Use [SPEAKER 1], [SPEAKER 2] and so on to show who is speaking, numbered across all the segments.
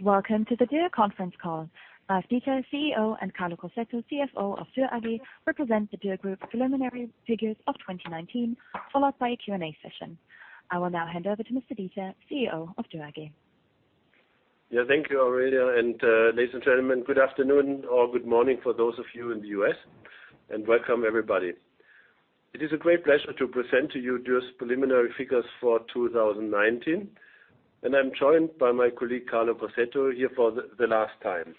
[SPEAKER 1] Welcome to the Dürr Conference Call. Dieter, CEO, and Carlo Crosetto, CFO of Dürr AG, represent the Dürr Group preliminary figures of 2019, followed by a Q&A session. I will now hand over to Mr. Dieter, CEO of Dürr AG.
[SPEAKER 2] Yeah, thank you, Aurelia, and ladies and gentlemen, good afternoon or good morning for those of you in the U.S., and welcome everybody. It is a great pleasure to present to you Dürr's preliminary figures for 2019, and I'm joined by my colleague Carlo Crosetto here for the last time.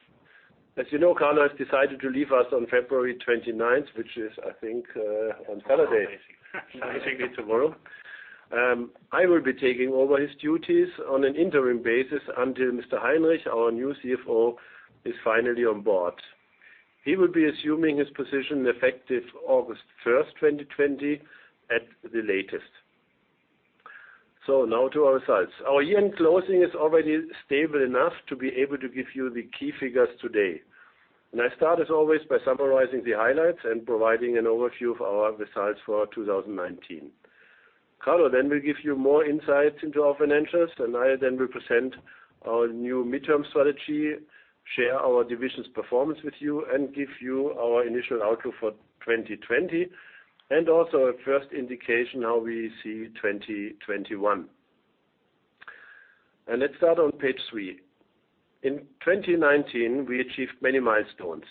[SPEAKER 2] As you know, Carlo has decided to leave us on February 29th, which is, I think, on Saturday. Amazingly, tomorrow I will be taking over his duties on an interim basis until Mr. Heinrich, our new CFO, is finally on board. He will be assuming his position effective August 1st, 2020, at the latest, so now to our results. Our year-end closing is already stable enough to be able to give you the key figures today, and I start, as always, by summarizing the highlights and providing an overview of our results for 2019. Carlo then will give you more insights into our financials, and I then will present our new midterm strategy, share our division's performance with you, and give you our initial outlook for 2020, and also a first indication of how we see 2021, and let's start on page three. In 2019, we achieved many milestones.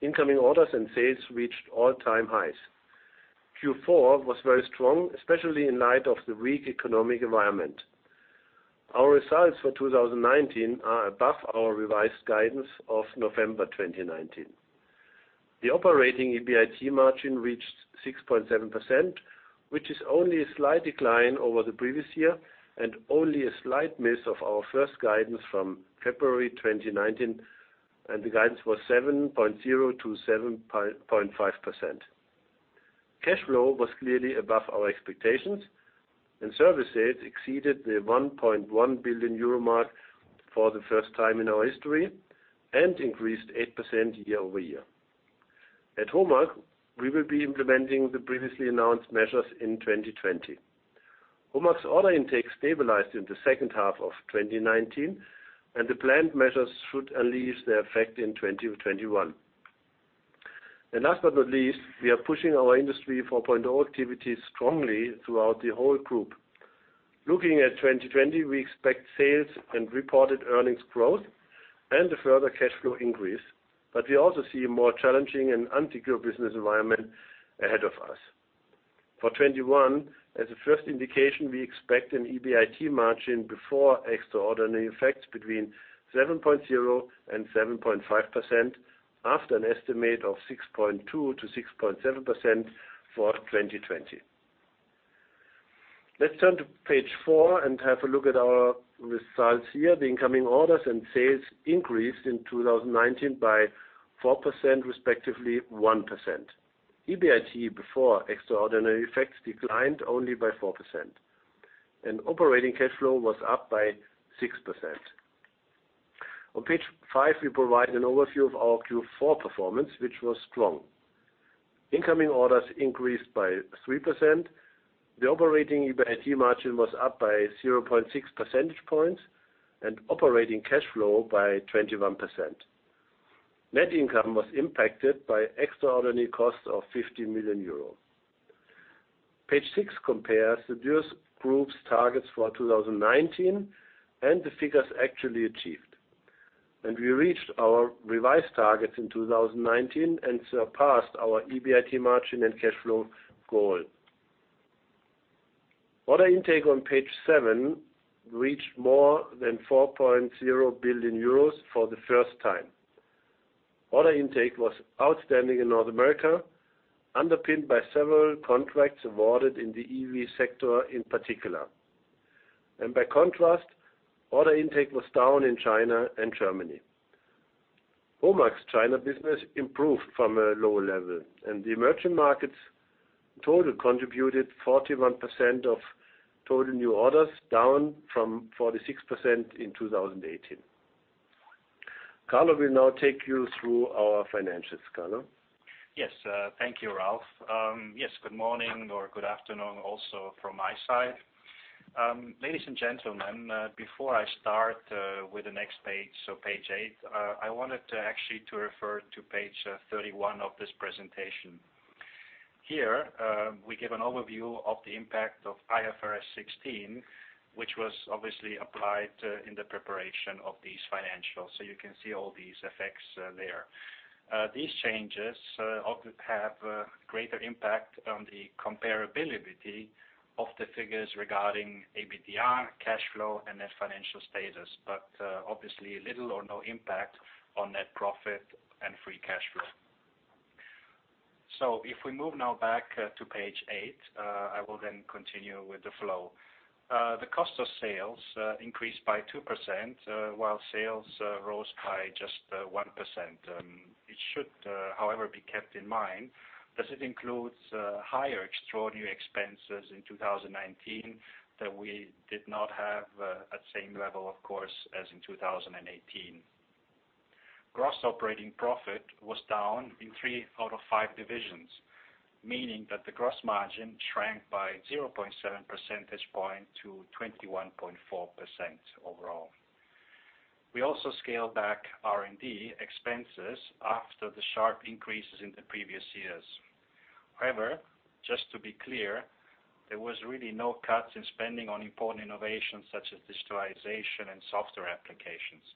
[SPEAKER 2] Incoming orders and sales reached all-time highs. Q4 was very strong, especially in light of the weak economic environment. Our results for 2019 are above our revised guidance of November 2019. The operating EBIT margin reached 6.7%, which is only a slight decline over the previous year and only a slight miss of our first guidance from February 2019, and the guidance was 7.0%-7.5%. Cash flow was clearly above our expectations, and service sales exceeded the 1.1 billion euro mark for the first time in our history and increased 8% year-over-year. At HOMAG, we will be implementing the previously announced measures in 2020. HOMAG's order intake stabilized in the second half of 2019, and the planned measures should unleash their effect in 2021, and last but not least, we are pushing our Industry 4.0 activities strongly throughout the whole group. Looking at 2020, we expect sales and reported earnings growth and a further cash flow increase, but we also see a more challenging and unsecure business environment ahead of us. For 2021, as a first indication, we expect an EBIT margin before extraordinary effects between 7.0% and 7.5% after an estimate of 6.2%-6.7% for 2020. Let's turn to page four and have a look at our results here. The incoming orders and sales increased in 2019 by 4%, respectively 1%. EBIT before extraordinary effects declined only by 4%, and operating cash flow was up by 6%. On page five, we provide an overview of our Q4 performance, which was strong. Incoming orders increased by 3%. The operating EBIT margin was up by 0.6 percentage points and operating cash flow by 21%. Net income was impacted by extraordinary costs of 50 million euros. Page six compares the Dürr Group's targets for 2019 and the figures actually achieved. We reached our revised targets in 2019 and surpassed our EBIT margin and cash flow goal. Order intake on page seven reached more than 4.0 billion euros for the first time. Order intake was outstanding in North America, underpinned by several contracts awarded in the EV sector in particular. By contrast, order intake was down in China and Germany. HOMAG's China business improved from a low level, and the emerging markets total contributed 41% of total new orders, down from 46% in 2018. Carlo will now take you through our financials, Carlo.
[SPEAKER 3] Yes, thank you, Ralf. Yes, good morning or good afternoon also from my side. Ladies and gentlemen, before I start with the next page, so page eight, I wanted to actually refer to page 31 of this presentation. Here, we give an overview of the impact of IFRS 16, which was obviously applied in the preparation of these financials. So you can see all these effects there. These changes have a greater impact on the comparability of the figures regarding EBITDA, cash flow, and net financial status, but obviously little or no impact on net profit and free cash flow. So if we move now back to page eight, I will then continue with the flow. The cost of sales increased by 2%, while sales rose by just 1%. It should, however, be kept in mind that it includes higher extraordinary expenses in 2019 that we did not have at the same level, of course, as in 2018. Gross operating profit was down in three out of five divisions, meaning that the gross margin shrank by 0.7 percentage points to 21.4% overall. We also scaled back R&D expenses after the sharp increases in the previous years. However, just to be clear, there was really no cut in spending on important innovations such as digitalization and software applications.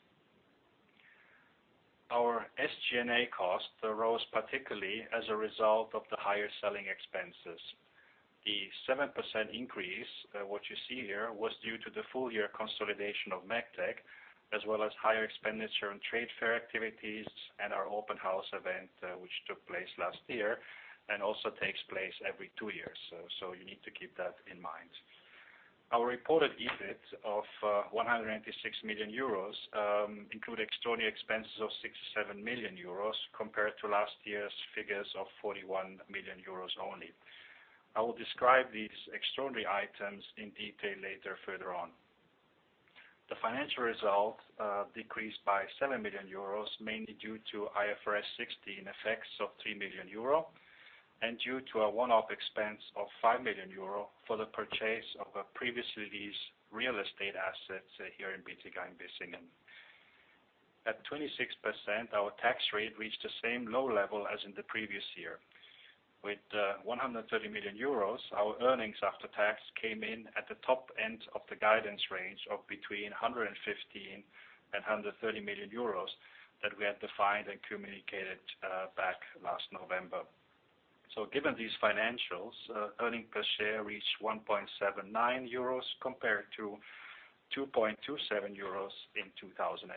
[SPEAKER 3] Our SG&A cost rose particularly as a result of the higher selling expenses. The 7% increase, what you see here, was due to the full-year consolidation of MEGTEC, as well as higher expenditure on trade fair activities and our open house event, which took place last year and also takes place every two years, so you need to keep that in mind. Our reported EBIT of 186 million euros included extraordinary expenses of 67 million euros compared to last year's figures of 41 million euros only. I will describe these extraordinary items in detail later further on. The financial result decreased by 7 million euros, mainly due to IFRS 16 effects of 3 million euro and due to a one-off expense of 5 million euro for the purchase of previously leased real estate assets here in Bietigheim-Bissingen. At 26%, our tax rate reached the same low level as in the previous year. With 130 million euros, our earnings after tax came in at the top end of the guidance range of between 115 and 130 million euros that we had defined and communicated back last November. So given these financials, earnings per share reached 1.79 euros compared to 2.27 euros in 2018.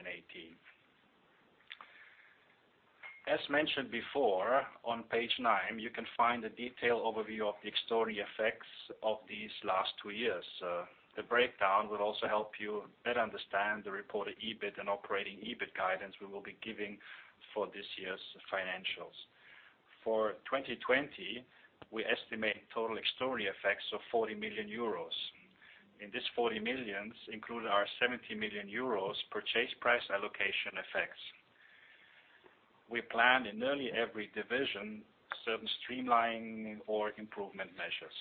[SPEAKER 3] As mentioned before, on page nine, you can find a detailed overview of the extraordinary effects of these last two years. The breakdown will also help you better understand the reported EBIT and operating EBIT guidance we will be giving for this year's financials. For 2020, we estimate total extraordinary effects of 40 million euros. In this 40 million included our 70 million euros purchase price allocation effects. We planned in nearly every division certain streamlining or improvement measures.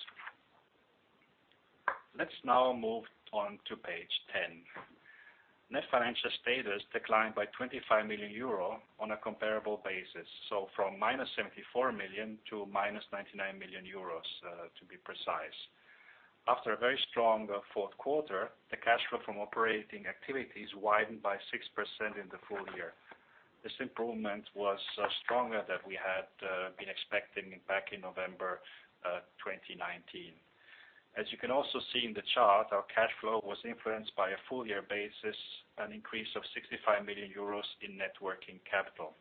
[SPEAKER 3] Let's now move on to page 10. Net financial status declined by 25 million euro on a comparable basis, so from 74 million to 99 million euros, to be precise. After a very strong fourth quarter, the cash flow from operating activities widened by 6% in the full year. This improvement was stronger than we had been expecting back in November 2019. As you can also see in the chart, our cash flow was influenced by a full-year basis, an increase of 65 million euros in net working capital.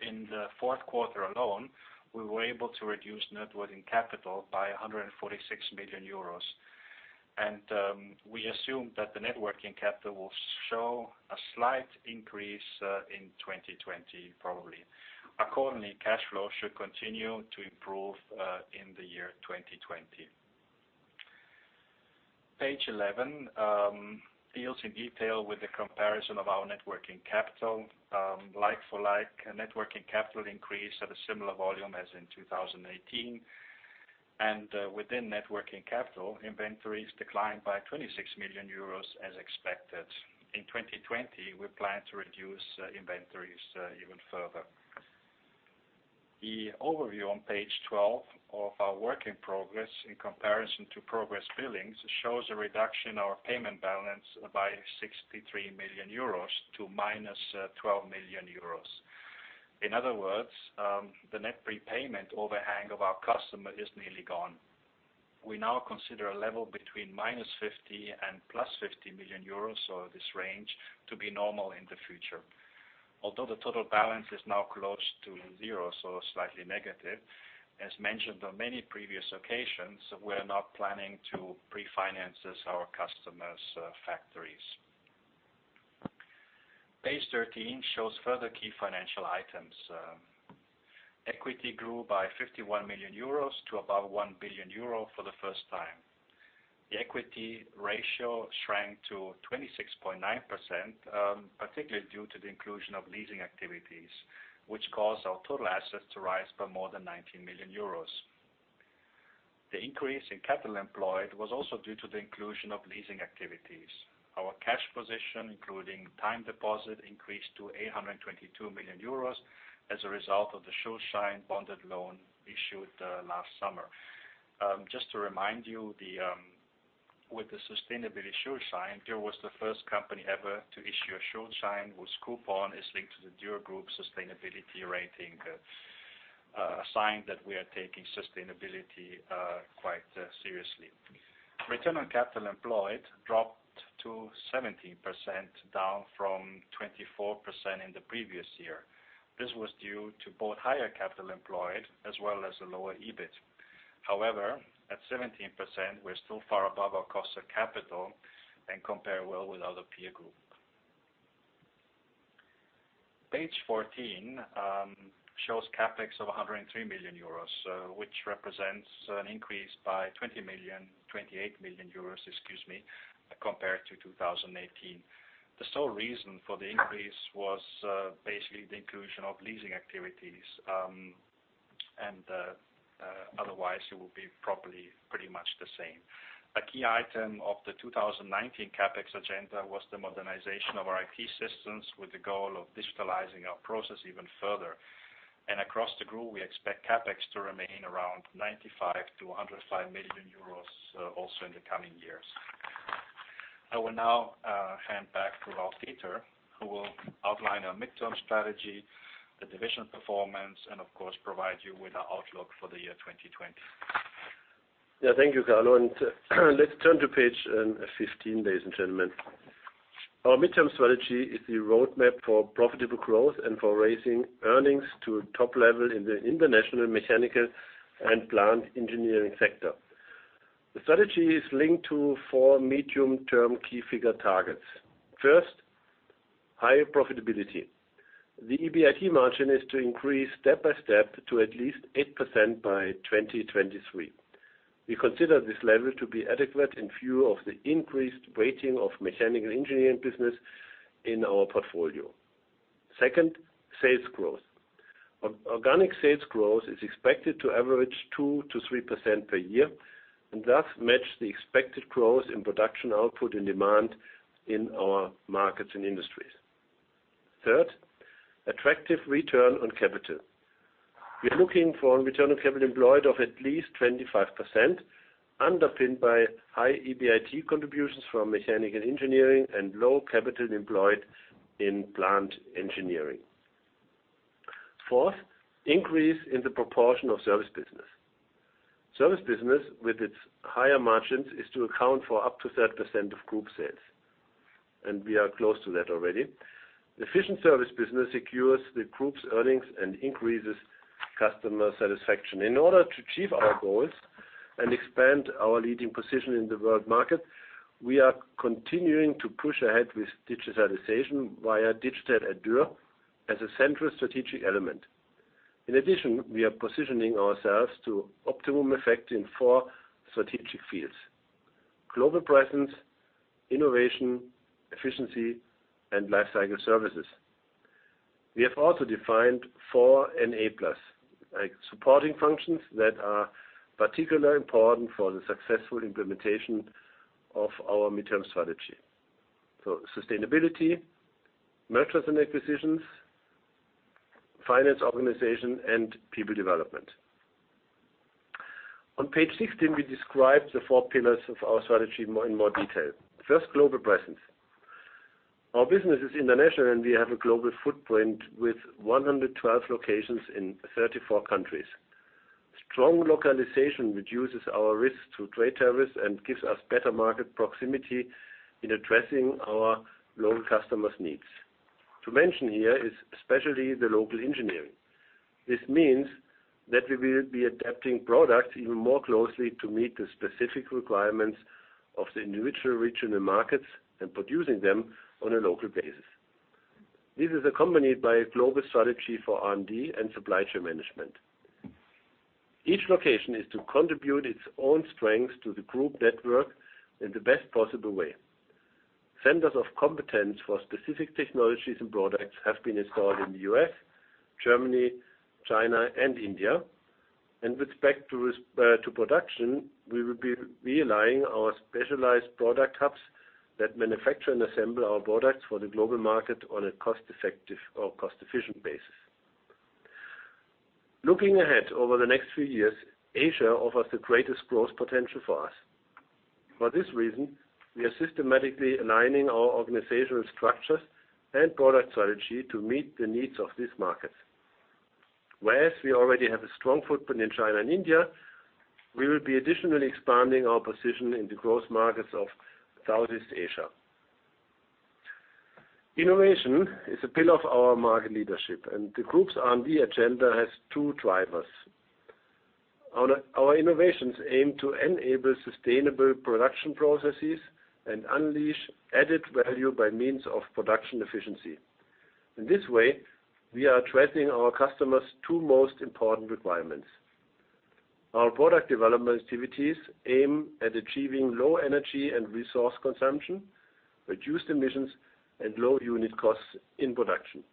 [SPEAKER 3] In the fourth quarter alone, we were able to reduce net working capital by 146 million euros, and we assume that the net working capital will show a slight increase in 2020, probably. Accordingly, cash flow should continue to improve in the year 2020. Page 11 deals in detail with the comparison of our net working capital. Like for like, net working capital increased at a similar volume as in 2018, and within net working capital, inventories declined by 26 million euros, as expected. In 2020, we plan to reduce inventories even further. The overview on page 12 of our work in progress in comparison to progress billings shows a reduction in our payment balance by 63 million euros to 12 million euros. In other words, the net prepayment overhang of our customer is nearly gone. We now consider a level between 50 and 50 million euros, so this range, to be normal in the future. Although the total balance is now close to zero, so slightly negative, as mentioned on many previous occasions, we are not planning to pre-finance our customers' factories. Page 13 shows further key financial items. Equity grew by 51 million euros to above 1 billion euro for the first time. The equity ratio shrank to 26.9%, particularly due to the inclusion of leasing activities, which caused our total assets to rise by more than 19 million euros. The increase in capital employed was also due to the inclusion of leasing activities. Our cash position, including time deposit, increased to 822 million euros as a result of the Schuldschein bonded loan issued last summer. Just to remind you, with the sustainability Schuldschein, Dürr was the first company ever to issue a Schuldschein whose coupon is linked to the Dürr Group sustainability rating, a sign that we are taking sustainability quite seriously. Return on capital employed dropped to 17%, down from 24% in the previous year. This was due to both higher capital employed as well as a lower EBIT. However, at 17%, we're still far above our cost of capital and comparable with other peer groups. Page 14 shows CapEx of 103 million euros, which represents an increase by 20 million, 28 million euros, excuse me, compared to 2018. The sole reason for the increase was basically the inclusion of leasing activities, and otherwise, it will be probably pretty much the same. A key item of the 2019 CapEx agenda was the modernization of our IT systems with the goal of digitalizing our process even further. Across the group, we expect CapEx to remain around 95million-105 million euros also in the coming years. I will now hand back to Ralf Dieter, who will outline our midterm strategy, the division performance, and, of course, provide you with our outlook for the year 2020.
[SPEAKER 2] Yeah, thank you, Carlo. Let's turn to page 15, ladies and gentlemen. Our midterm strategy is the roadmap for profitable growth and for raising earnings to top level in the international mechanical and plant engineering sector. The strategy is linked to four medium-term key figure targets. First, higher profitability. The EBIT margin is to increase step by step to at least 8% by 2023. We consider this level to be adequate in view of the increased weighting of mechanical engineering business in our portfolio. Second, sales growth. Organic sales growth is expected to average 2%-3% per year and thus match the expected growth in production output and demand in our markets and industries. Third, attractive return on capital. We are looking for a return on capital employed of at least 25%, underpinned by high EBIT contributions from mechanical engineering and low capital employed in plant engineering. Fourth, increase in the proportion of service business. Service business, with its higher margins, is to account for up to 30% of group sales, and we are close to that already. Efficient service business secures the group's earnings and increases customer satisfaction. In order to achieve our goals and expand our leading position in the world market, we are continuing to push ahead with digitalization via Digital at Dürr as a central strategic element. In addition, we are positioning ourselves to optimum effect in four strategic fields: global presence, innovation, efficiency, and lifecycle services. We have also defined four enablers, supporting functions that are particularly important for the successful implementation of our midterm strategy. So sustainability, mergers and acquisitions, finance organization, and people development. On page 16, we describe the four pillars of our strategy in more detail. First, global presence. Our business is international, and we have a global footprint with 112 locations in 34 countries. Strong localization reduces our risk to trade barriers and gives us better market proximity in addressing our local customers' needs. To mention here is especially the local engineering. This means that we will be adapting products even more closely to meet the specific requirements of the individual regional markets and producing them on a local basis. This is accompanied by a global strategy for R&D and supply chain management. Each location is to contribute its own strengths to the group network in the best possible way. Centers of competence for specific technologies and products have been installed in the U.S., Germany, China, and India and with respect to production, we will be relying on our specialized product hubs that manufacture and assemble our products for the global market on a cost-efficient basis. Looking ahead over the next few years, Asia offers the greatest growth potential for us. For this reason, we are systematically aligning our organizational structures and product strategy to meet the needs of these markets. Whereas we already have a strong footprint in China and India, we will be additionally expanding our position in the growth markets of Southeast Asia. Innovation is a pillar of our market leadership, and the group's R&D agenda has two drivers. Our innovations aim to enable sustainable production processes and unleash added value by means of production efficiency. In this way, we are addressing our customers' two most important requirements. Our product development activities aim at achieving low energy and resource consumption, reduced emissions, and low unit costs in production.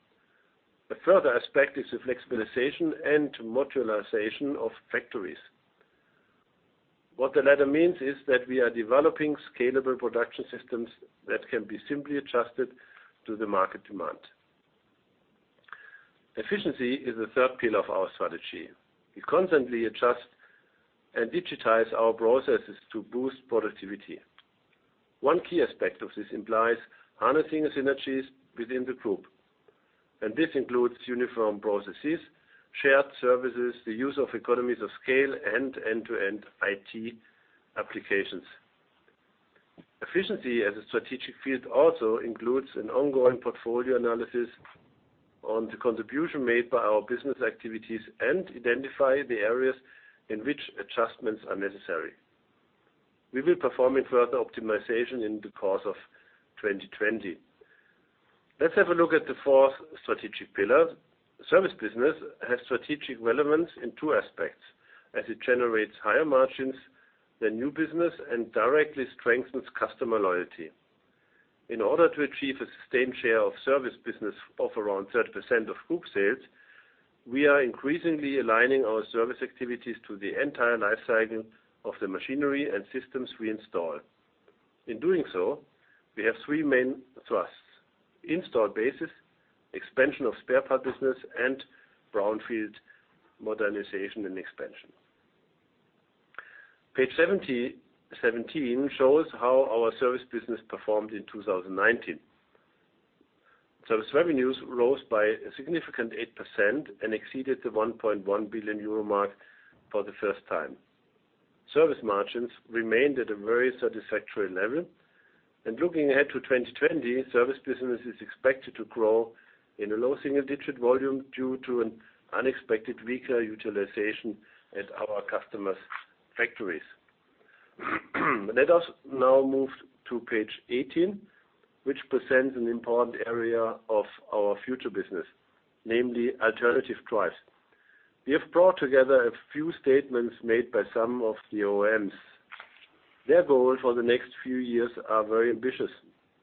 [SPEAKER 2] A further aspect is the flexibilization and modularization of factories. What the latter means is that we are developing scalable production systems that can be simply adjusted to the market demand. Efficiency is the third pillar of our strategy. We constantly adjust and digitize our processes to boost productivity. One key aspect of this implies harnessing synergies within the group, and this includes uniform processes, shared services, the use of economies of scale, and end-to-end IT applications. Efficiency as a strategic field also includes an ongoing portfolio analysis on the contribution made by our business activities and identify the areas in which adjustments are necessary. We will perform further optimization in the course of 2020. Let's have a look at the fourth strategic pillar. Service business has strategic relevance in two aspects, as it generates higher margins than new business and directly strengthens customer loyalty. In order to achieve a sustained share of service business of around 30% of group sales, we are increasingly aligning our service activities to the entire lifecycle of the machinery and systems we install. In doing so, we have three main thrusts: installed base, expansion of spare part business, and brownfield modernization and expansion. Page 17 shows how our service business performed in 2019. Service revenues rose by a significant 8% and exceeded the 1.1 billion euro mark for the first time. Service margins remained at a very satisfactory level, and looking ahead to 2020, service business is expected to grow in a low single-digit volume due to an unexpected weaker utilization at our customers' factories. Let us now move to page 18, which presents an important area of our future business, namely alternative drives. We have brought together a few statements made by some of the OMs. Their goals for the next few years are very ambitious,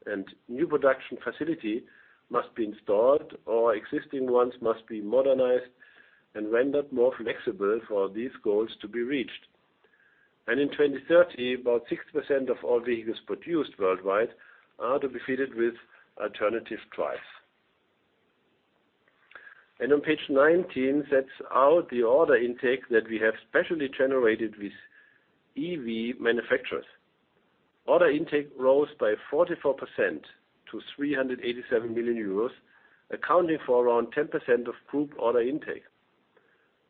[SPEAKER 2] and new production facilities must be installed or existing ones must be modernized and rendered more flexible for these goals to be reached. And in 2030, about 6% of all vehicles produced worldwide are to be fitted with alternative drives. And on page 19 sets out the order intake that we have specially generated with EV manufacturers. Order intake rose by 44% to 387 million euros, accounting for around 10% of group order intake.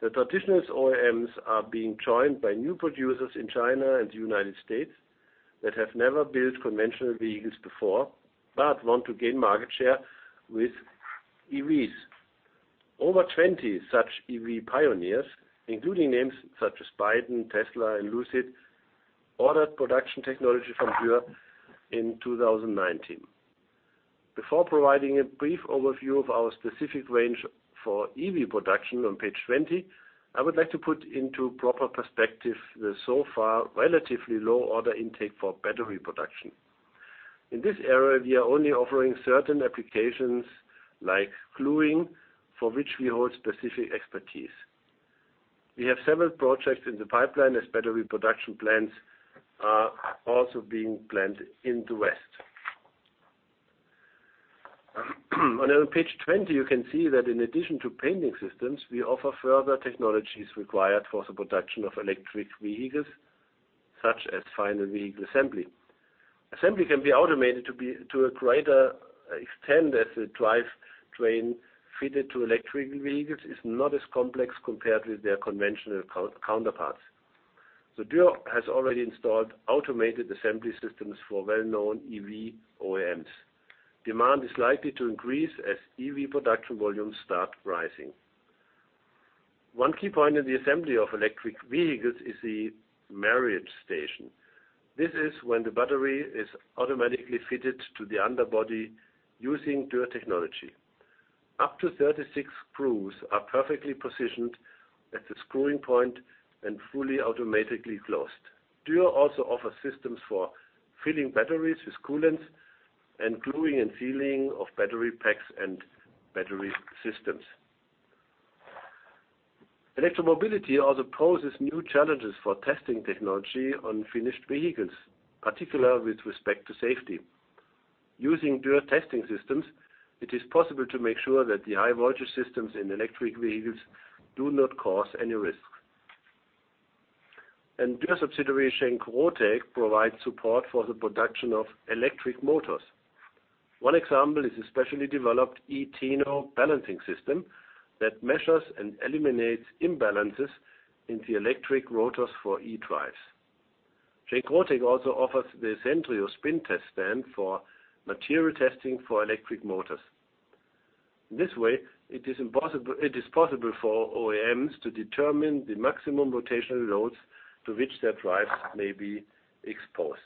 [SPEAKER 2] The traditional OEMs are being joined by new producers in China and the United States that have never built conventional vehicles before but want to gain market share with EVs. Over 20 such EV pioneers, including names such as Byton, Tesla, and Lucid, ordered production technology from Dürr in 2019. Before providing a brief overview of our specific range for EV production on page 20, I would like to put into proper perspective the so far relatively low order intake for battery production. In this area, we are only offering certain applications like gluing, for which we hold specific expertise. We have several projects in the pipeline as battery production plans are also being planned in the West. On page 20, you can see that in addition to painting systems, we offer further technologies required for the production of electric vehicles such as final vehicle assembly. Assembly can be automated to a greater extent as the drive train fitted to electric vehicles is not as complex compared with their conventional counterparts. So Dürr has already installed automated assembly systems for well-known EV OEMs. Demand is likely to increase as EV production volumes start rising. One key point in the assembly of electric vehicles is the marriage station. This is when the battery is automatically fitted to the underbody using Dürr technology. Up to 36 screws are perfectly positioned at the screwing point and fully automatically closed. Dürr also offers systems for filling batteries with coolants and gluing and sealing of battery packs and battery systems. Electromobility also poses new challenges for testing technology on finished vehicles, particularly with respect to safety. Using Dürr testing systems, it is possible to make sure that the high-voltage systems in electric vehicles do not cause any risks. And Dürr subsidiary Schenck RoTec provides support for the production of electric motors. One example is a specially developed eTino balancing system that measures and eliminates imbalances in the electric rotors for e-drives. Schenck RoTec also offers the Centrio spin test stand for material testing for electric motors. In this way, it is possible for OEMs to determine the maximum rotational loads to which their drives may be exposed.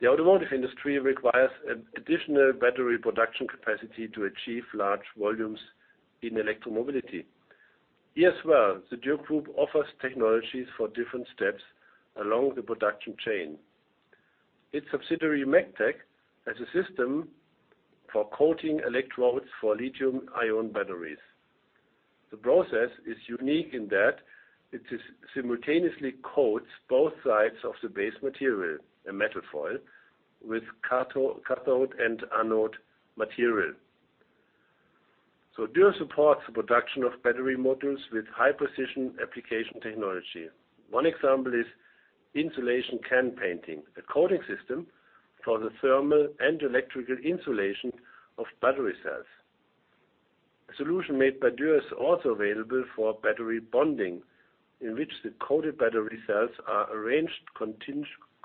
[SPEAKER 2] The automotive industry requires additional battery production capacity to achieve large volumes in electromobility. Here as well, the Dürr Group offers technologies for different steps along the production chain. Its subsidiary MEGTEC has a system for coating electrodes for lithium-ion batteries. The process is unique in that it simultaneously coats both sides of the base material, a metal foil, with cathode and anode material. So Dürr supports the production of battery modules with high-precision Application Technology. One example is insulation can painting, a coating system for the thermal and electrical insulation of battery cells. A solution made by Dürr is also available for battery bonding, in which the coated battery cells are arranged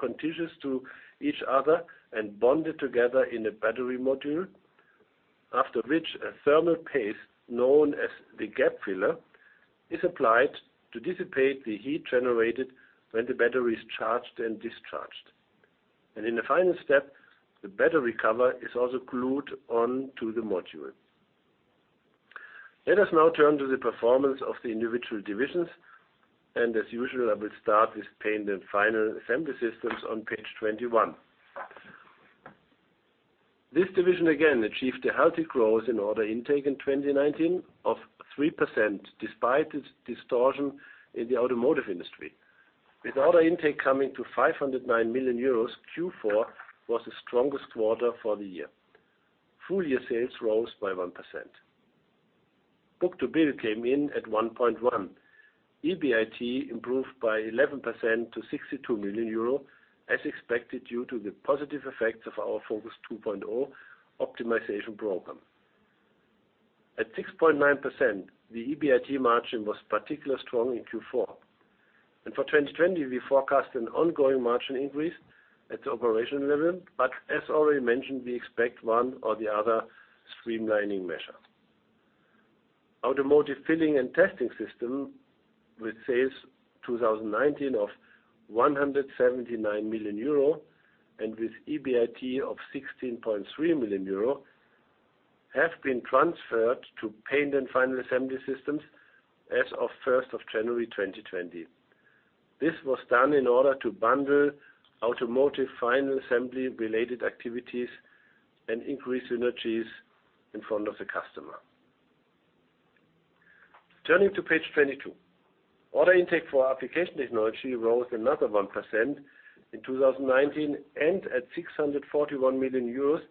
[SPEAKER 2] contiguous to each other and bonded together in a battery module, after which a thermal paste known as the gap filler is applied to dissipate the heat generated when the battery is charged and discharged, and in the final step, the battery cover is also glued onto the module. Let us now turn to the performance of the individual divisions, and as usual, I will start with Paint and Final Assembly Systems on page 21. This division again achieved a healthy growth in order intake in 2019 of 3% despite the distortion in the automotive industry. With order intake coming to 509 million euros, Q4 was the strongest quarter for the year. Full year sales rose by 1%. Book-to-bill came in at 1.1. EBIT improved by 11% to 62 million euro as expected due to the positive effects of our Focus 2.0 optimization program. At 6.9%, the EBIT margin was particularly strong in Q4. And for 2020, we forecast an ongoing margin increase at the operational level, but as already mentioned, we expect one or the other streamlining measure. Automotive filling and testing system with sales 2019 of 179 million euro and with EBIT of 16.3 million euro have been transferred to Paint and Final Assembly Systems as of 1st of January 2020. This was done in order to bundle automotive final assembly-related activities and increase synergies in front of the customer. Turning to page 22, order intake for Application Technology rose another 1% in 2019 and at 641 million euros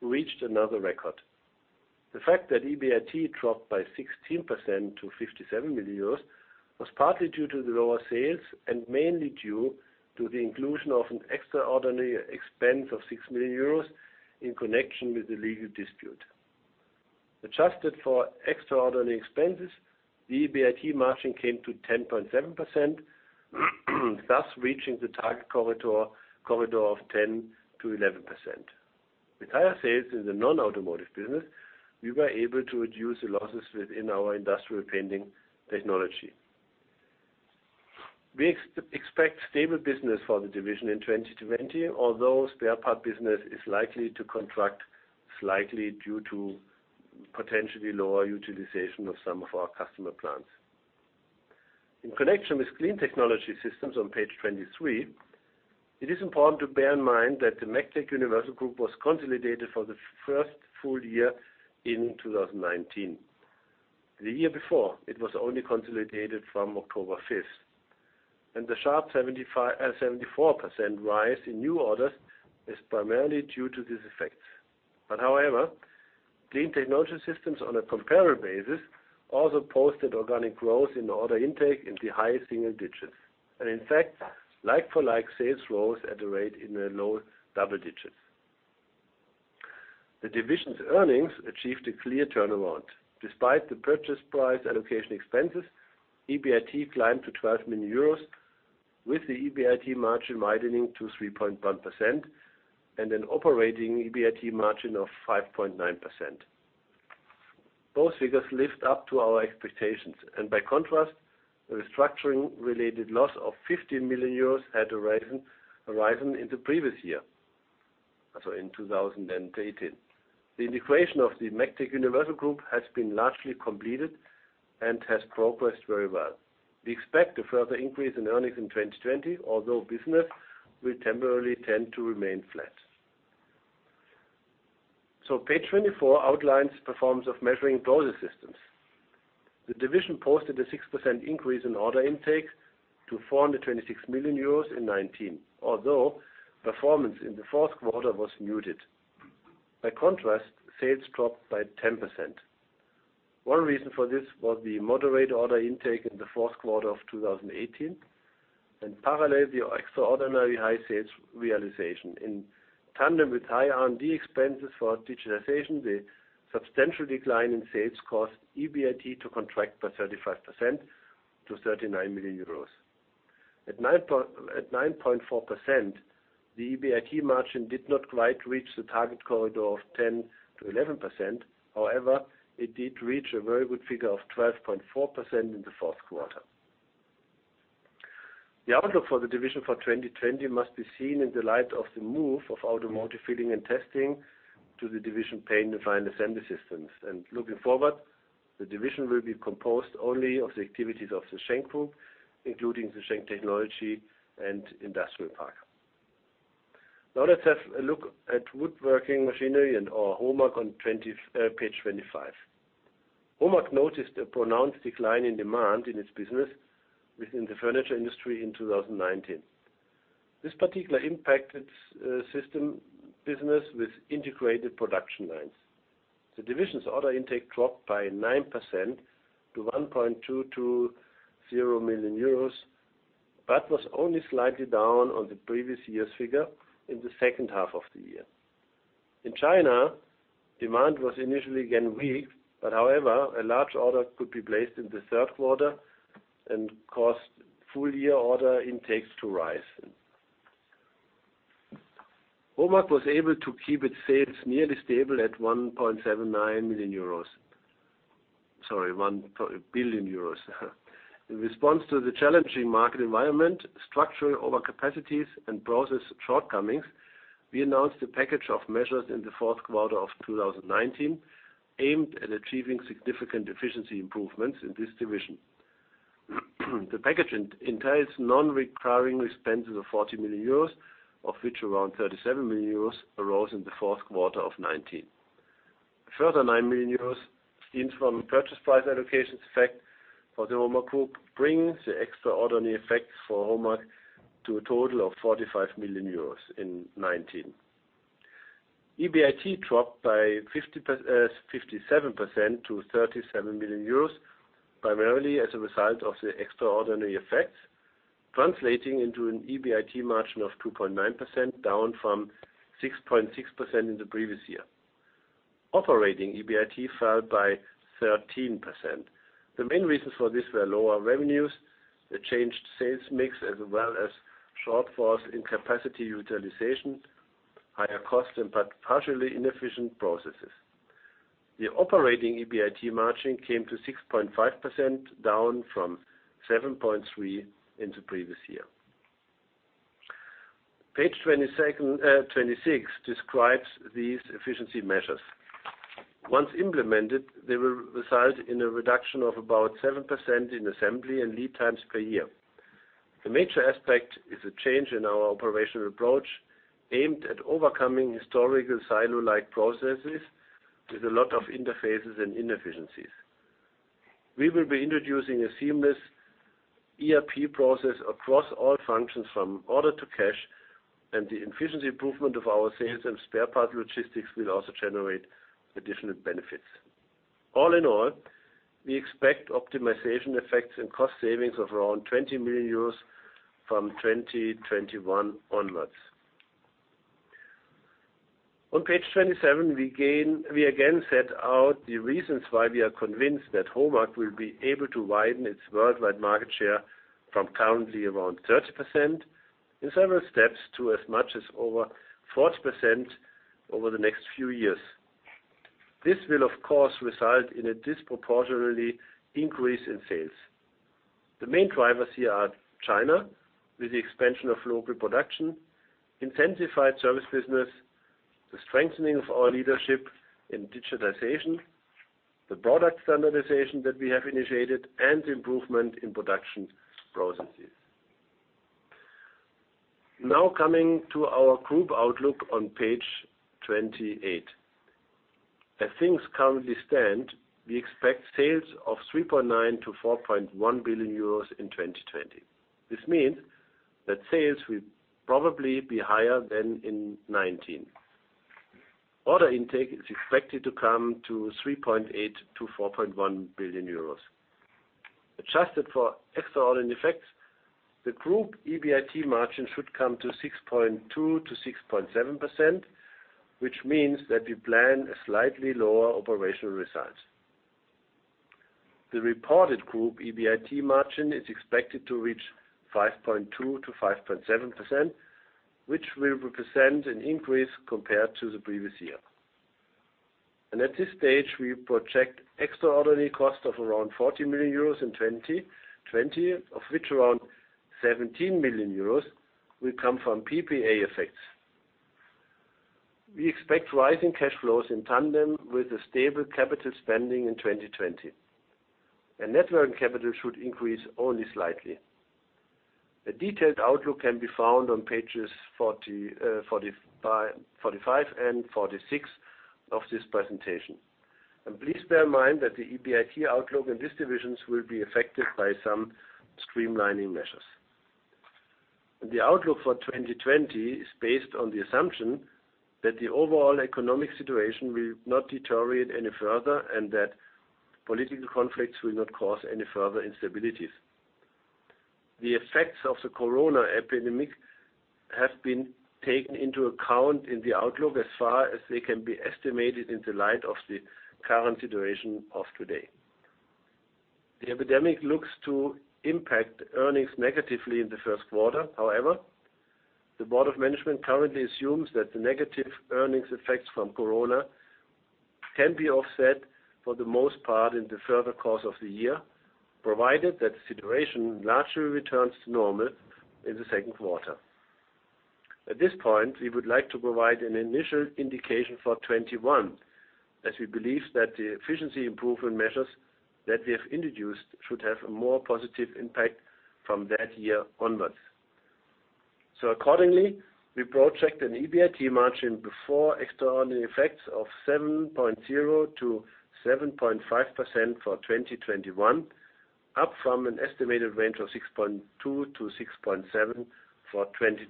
[SPEAKER 2] reached another record. The fact that EBIT dropped by 16% to 57 million euros was partly due to the lower sales and mainly due to the inclusion of an extraordinary expense of 6 million euros in connection with the legal dispute. Adjusted for extraordinary expenses, the EBIT margin came to 10.7%, thus reaching the target corridor of 10%-11%. With higher sales in the non-automotive business, we were able to reduce the losses within our industrial painting technology. We expect stable business for the division in 2020, although spare part business is likely to contract slightly due to potentially lower utilization of some of our customer plants. In connection with Clean Technology Systems on page 23, it is important to bear in mind that the MEGTEC was consolidated for the first full year in 2019. The year before, it was only consolidated from October 5th. The sharp 74% rise in new orders is primarily due to these effects. But however, Clean Technology Systems on a comparable basis also posted organic growth in order intake in the high single digits. And in fact, like-for-like sales rose at a rate in the low double digits. The division's earnings achieved a clear turnaround. Despite the purchase price allocation expenses, EBIT climbed to 12 million euros with the EBIT margin widening to 3.1% and an operating EBIT margin of 5.9%. Both figures lived up to our expectations, and by contrast, the restructuring-related loss of 15 million euros had arisen in the previous year, so in 2018. The integration of MEGTEC has been largely completed and has progressed very well. We expect a further increase in earnings in 2020, although business will temporarily tend to remain flat. Page 24 outlines performance of Measuring and Process Systems. The division posted a 6% increase in order intake to 426 million euros in 2019, although performance in the fourth quarter was muted. By contrast, sales dropped by 10%. One reason for this was the moderate order intake in the fourth quarter of 2018 and parallel the extraordinary high sales realization. In tandem with high R&D expenses for digitization, the substantial decline in sales caused EBIT to contract by 35% to 39 million euros. At 9.4%, the EBIT margin did not quite reach the target corridor of 10%-11%. However, it did reach a very good figure of 12.4% in the fourth quarter. The outlook for the division for 2020 must be seen in the light of the move of automotive filling and testing to the division Paint and Final Assembly Systems. And looking forward, the division will be composed only of the activities of the Schenck Group, including the Schenck Technology and Industrial Park. Now let's have a look at woodworking machinery and/or HOMAG on page 25. HOMAG noticed a pronounced decline in demand in its business within the furniture industry in 2019. This particularly impacted system business with integrated production lines. The division's order intake dropped by 9% to 1.22 billion euros but was only slightly down on the previous year's figure in the second half of the year. In China, demand was initially again weak, but however, a large order could be placed in the third quarter and caused full year order intakes to rise. HOMAG was able to keep its sales nearly stable at 1.79 billion euros. Sorry, 1 billion euros. In response to the challenging market environment, structural overcapacities, and process shortcomings, we announced a package of measures in the fourth quarter of 2019 aimed at achieving significant efficiency improvements in this division. The package entails non-recurring expenses of 40 million euros, of which around 37 million euros arose in the fourth quarter of 2019. A further 9 million euros from purchase price allocation effects for the HOMAG Group brings the extraordinary effects for HOMAG to a total of 45 million euros in 2019. EBIT dropped by 57% to 37 million euros primarily as a result of the extraordinary effects, translating into an EBIT margin of 2.9% down from 6.6% in the previous year. Operating EBIT fell by 13%. The main reasons for this were lower revenues, a changed sales mix, as well as shortfalls in capacity utilization, higher costs, and partially inefficient processes. The operating EBIT margin came to 6.5% down from 7.3% in the previous year. Page 26 describes these efficiency measures. Once implemented, they will result in a reduction of about 7% in assembly and lead times per year. The major aspect is a change in our operational approach aimed at overcoming historical silo-like processes with a lot of interfaces and inefficiencies. We will be introducing a seamless ERP process across all functions from order to cash, and the efficiency improvement of our sales and spare part logistics will also generate additional benefits. All in all, we expect optimization effects and cost savings of around 20 million euros from 2021 onwards. On page 27, we again set out the reasons why we are convinced that HOMAG will be able to widen its worldwide market share from currently around 30% in several steps to as much as over 40% over the next few years. This will, of course, result in a disproportionate increase in sales. The main drivers here are China, with the expansion of local production, intensified service business, the strengthening of our leadership in digitization, the product standardization that we have initiated, and improvement in production processes. Now coming to our group outlook on page 28. As things currently stand, we expect sales of 3.9 billion-4.1 billion euros in 2020. This means that sales will probably be higher than in 2019. Order intake is expected to come to 3.8 billion-4.1 billion euros. Adjusted for extraordinary effects, the group EBIT margin should come to 6.2%-6.7%, which means that we plan a slightly lower operational result. The reported group EBIT margin is expected to reach 5.2%-5.7%, which will represent an increase compared to the previous year, and at this stage, we project extraordinary costs of around 40 million euros in 2020, of which around 17 million euros will come from PPA effects. We expect rising cash flows in tandem with a stable capital spending in 2020, and net working capital should increase only slightly. A detailed outlook can be found on pages 45 and 46 of this presentation, and please bear in mind that the EBIT outlook in these divisions will be affected by some streamlining measures. The outlook for 2020 is based on the assumption that the overall economic situation will not deteriorate any further and that political conflicts will not cause any further instabilities. The effects of the corona epidemic have been taken into account in the outlook as far as they can be estimated in the light of the current situation of today. The epidemic looks to impact earnings negatively in the first quarter. However, the board of management currently assumes that the negative earnings effects from corona can be offset for the most part in the further course of the year, provided that the situation largely returns to normal in the second quarter. At this point, we would like to provide an initial indication for 2021, as we believe that the efficiency improvement measures that we have introduced should have a more positive impact from that year onwards. So accordingly, we project an EBIT margin before extraordinary effects of 7.0-7.5% for 2021, up from an estimated range of 6.2-6.7% for 2020.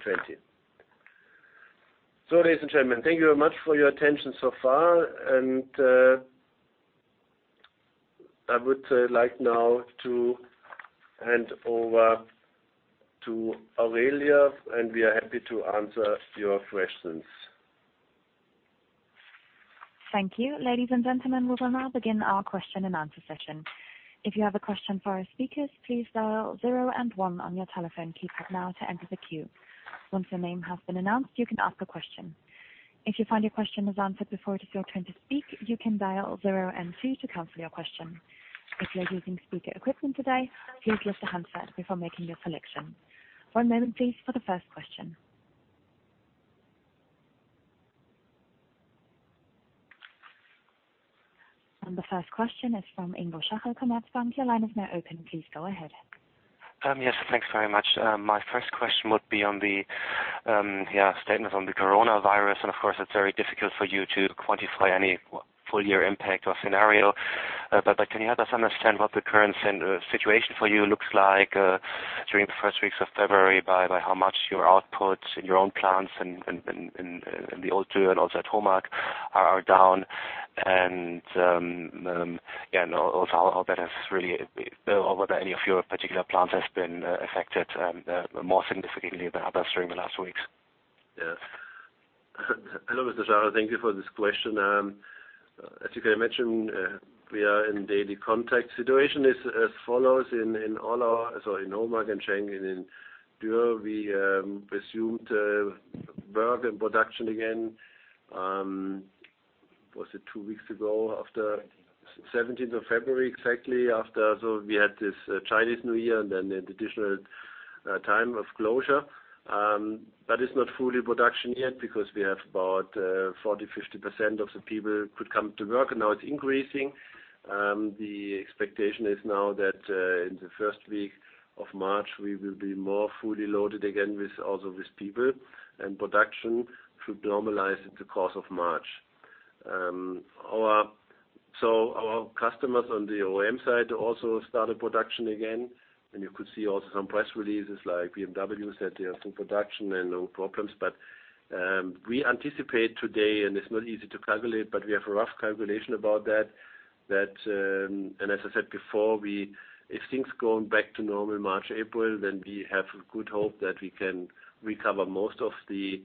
[SPEAKER 2] So ladies and gentlemen, thank you very much for your attention so far. And I would like now to hand over to Aurelia, and we are happy to answer your questions.
[SPEAKER 1] Thank you. Ladies and gentlemen, we will now begin our question and answer session. If you have a question for our speakers, please dial zero and one on your telephone keypad now to enter the queue. Once your name has been announced, you can ask a question. If you find your question is answered before it is your turn to speak, you can dial zero and two to cancel your question. If you are using speaker equipment today, please lift a handset before making your selection. One moment, please, for the first question. And the first question is from Ingo Schachel, Commerzbank. Your line is now open. Please go ahead.
[SPEAKER 4] Yes, thanks very much. My first question would be on the, yeah, statements on the coronavirus. And of course, it's very difficult for you to quantify any full year impact or scenario. But can you help us understand what the current situation for you looks like during the first weeks of February by how much your output in your own plants and the auto too and also at HOMAG are down? And yeah, and also how that has really or whether any of your particular plants has been affected more significantly than others during the last weeks.
[SPEAKER 2] Yes. Hello Mr. Schachel, thank you for this question. As you can imagine, we are in daily contact situation as follows: in HOMAG and Schenck and in Dürr, we resumed work and production again. Was it two weeks ago after the 17th of February, exactly? So we had this Chinese New Year and then an additional time of closure. But it's not fully production yet because we have about 40%-50% of the people could come to work, and now it's increasing. The expectation is now that in the first week of March, we will be more fully loaded again also with people, and production should normalize in the course of March. Our customers on the OEM side also started production again. You could see also some press releases like BMW said they are full production and no problems. But we anticipate today, and it's not easy to calculate, but we have a rough calculation about that. And as I said before, if things go back to normal March, April, then we have good hope that we can recover most of the,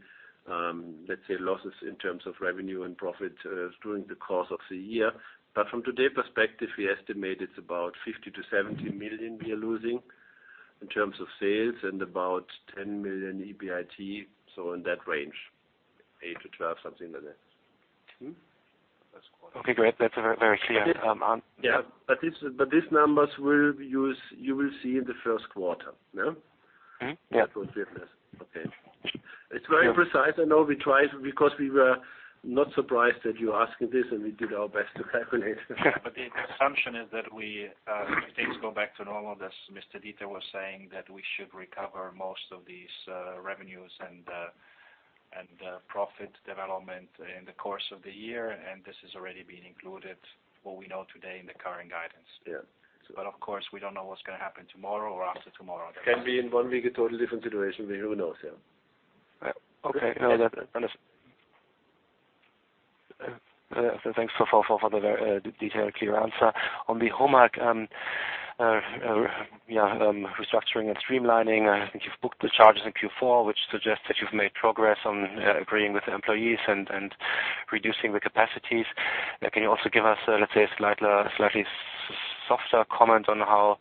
[SPEAKER 2] let's say, losses in terms of revenue and profit during the course of the year. But from today's perspective, we estimate it's about 50 million-70 million we are losing in terms of sales and about 10 million EBIT, so in that range, 8 million-12 million, something like that.
[SPEAKER 4] Okay, great. That's very clear.
[SPEAKER 2] Yeah. But these numbers you will see in the first quarter. That's what we have left. Okay. It's very precise. I know we tried because we were not surprised that you asked this, and we did our best to calculate.
[SPEAKER 3] But the assumption is that if things go back to normal, as Mr. Dieter was saying that we should recover most of these revenues and profit development in the course of the year. And this has already been included, what we know today, in the current guidance. But of course, we don't know what's going to happen tomorrow or after tomorrow.
[SPEAKER 2] Can be in one week a totally different situation. Who knows?
[SPEAKER 4] Yeah. Okay. Wonderful. Thanks for the detailed, clear answer. On the HOMAG, yeah, restructuring and streamlining, I think you've booked the charges in Q4, which suggests that you've made progress on agreeing with employees and reducing the capacities. Can you also give us, let's say, a slightly softer comment on how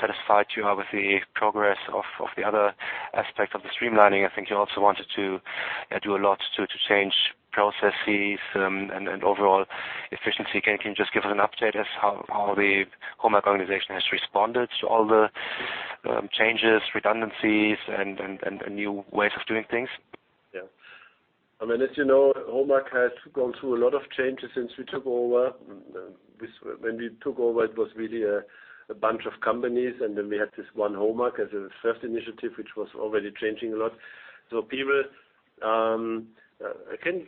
[SPEAKER 4] satisfied you are with the progress of the other aspects of the streamlining? I think you also wanted to do a lot to change processes and overall efficiency. Can you just give us an update as to how the HOMAG organization has responded to all the changes, redundancies, and new ways of doing things?
[SPEAKER 2] Yeah. I mean, as you know, HOMAG has gone through a lot of changes since we took over. When we took over, it was really a bunch of companies, and then we had this one HOMAG as a first initiative, which was already changing a lot. So people, again,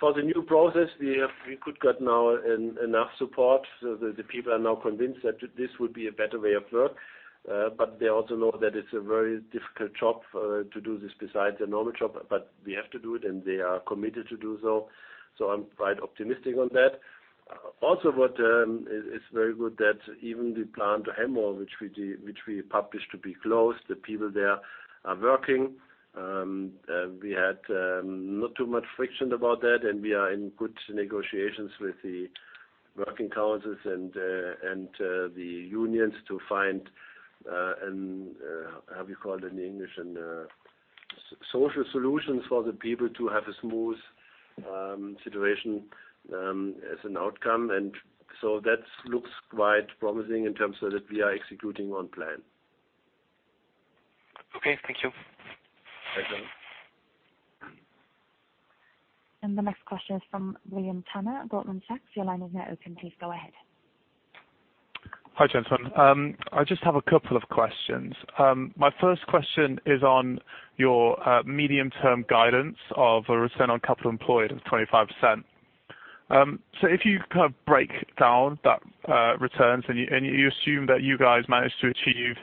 [SPEAKER 2] for the new process, we could get now enough support. So the people are now convinced that this would be a better way of work. But they also know that it's a very difficult job to do this besides a normal job. But we have to do it, and they are committed to do so. So I'm quite optimistic on that. Also, it's very good that even the planned Hemmoor, which we published to be closed, the people there are working. We had not too much friction about that, and we are in good negotiations with the working councils and the unions to find, how do you call it in English, social solutions for the people to have a smooth situation as an outcome. And so that looks quite promising in terms of that we are executing on plan.
[SPEAKER 4] Okay. Thank you.
[SPEAKER 2] Thank you.
[SPEAKER 1] And the next question is from William Turner at Goldman Sachs. Your line is now open. Please go ahead.
[SPEAKER 5] Hi, gentlemen. I just have a couple of questions. My first question is on your medium-term guidance of a return on capital employed of 25%. So if you kind of break down that return and you assume that you guys managed to achieve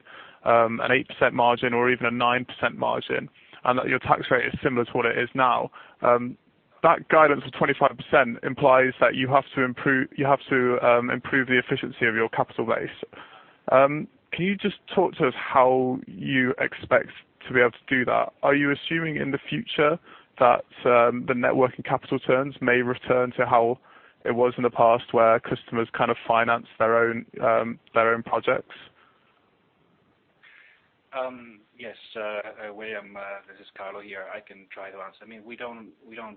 [SPEAKER 5] an 8% margin or even a 9% margin and that your tax rate is similar to what it is now, that guidance of 25% implies that you have to improve the efficiency of your capital base. Can you just talk to us how you expect to be able to do that? Are you assuming in the future that the net working capital turns may return to how it was in the past where customers kind of finance their own projects?
[SPEAKER 3] Yes. William, this is Carlo here. I can try to answer. I mean, we don't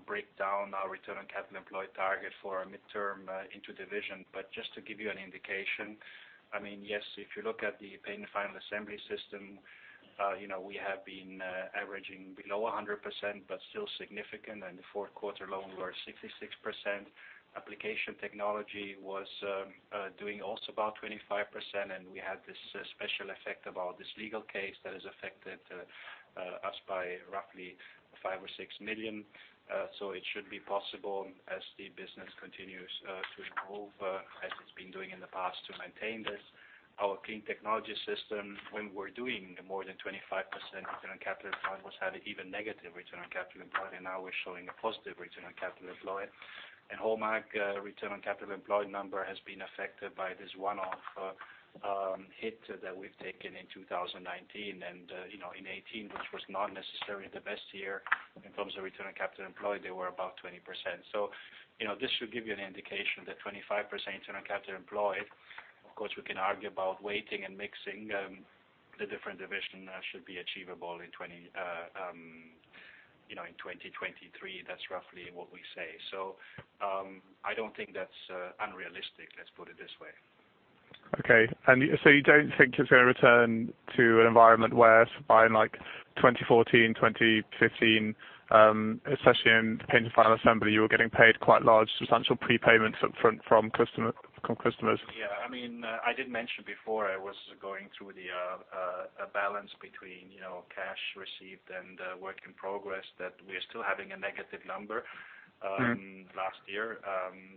[SPEAKER 3] break down our return on capital employed target for a midterm into division. But just to give you an indication, I mean, yes, if you look at the Paint and Final Assembly Systems, we have been averaging below 100% but still significant. And the fourth quarter load was 66%. Application Technology was doing also about 25%. And we had this special effect about this legal case that has affected us by roughly 5 million or 6 million. So it should be possible as the business continues to improve as it's been doing in the past to maintain this. Our Clean Technology Systems, when we're doing more than 25% return on capital employed, was having even negative return on capital employed. And now we're showing a positive return on capital employed. And HOMAG's return on capital employed number has been affected by this one-off hit that we've taken in 2019. In 2018, which was not necessarily the best year in terms of return on capital employed, they were about 20%. So this should give you an indication that 25% return on capital employed, of course, we can argue about weighting and mixing the different divisions should be achievable in 2023. That's roughly what we say. So I don't think that's unrealistic, let's put it this way.
[SPEAKER 5] Okay. So you don't think it's going to return to an environment where in 2014, 2015, especially in paint and final assembly, you were getting paid quite large substantial prepayments from customers?
[SPEAKER 3] Yeah. I mean, I did mention before I was going through the balance between cash received and work in progress that we are still having a negative number last year.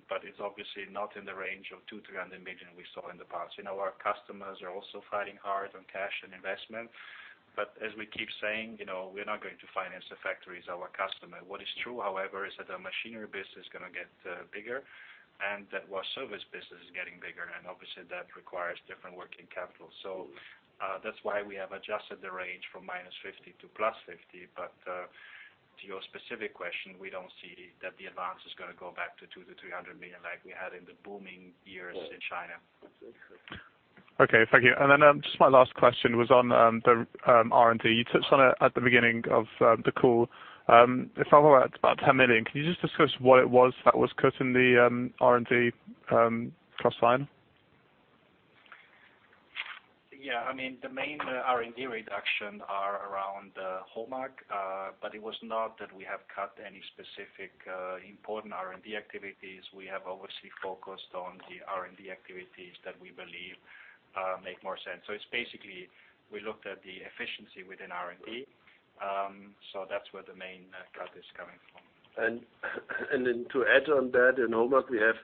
[SPEAKER 3] But it's obviously not in the range of 2 million-300 million we saw in the past. Our customers are also fighting hard on cash and investment. But as we keep saying, we're not going to finance the factories of our customers. What is true, however, is that the machinery business is going to get bigger and that our service business is getting bigger. And obviously, that requires different working capital. So that's why we have adjusted the range from -50 million to +50 million. But to your specific question, we don't see that the advance is going to go back to 200 million-300 million like we had in the booming years in China.
[SPEAKER 5] Okay. Thank you. And then just my last question was on the R&D. You touched on it at the beginning of the call. If I'm right, it's about 10 million. Can you just discuss what it was that was cut in the R&D plus sign? Yeah.
[SPEAKER 3] I mean, the main R&D reductions are around HOMAG. But it was not that we have cut any specific important R&D activities. We have obviously focused on the R&D activities that we believe make more sense. So it's basically we looked at the efficiency within R&D. So that's where the main cut is coming from.
[SPEAKER 2] And then to add on that, in HOMAG, we have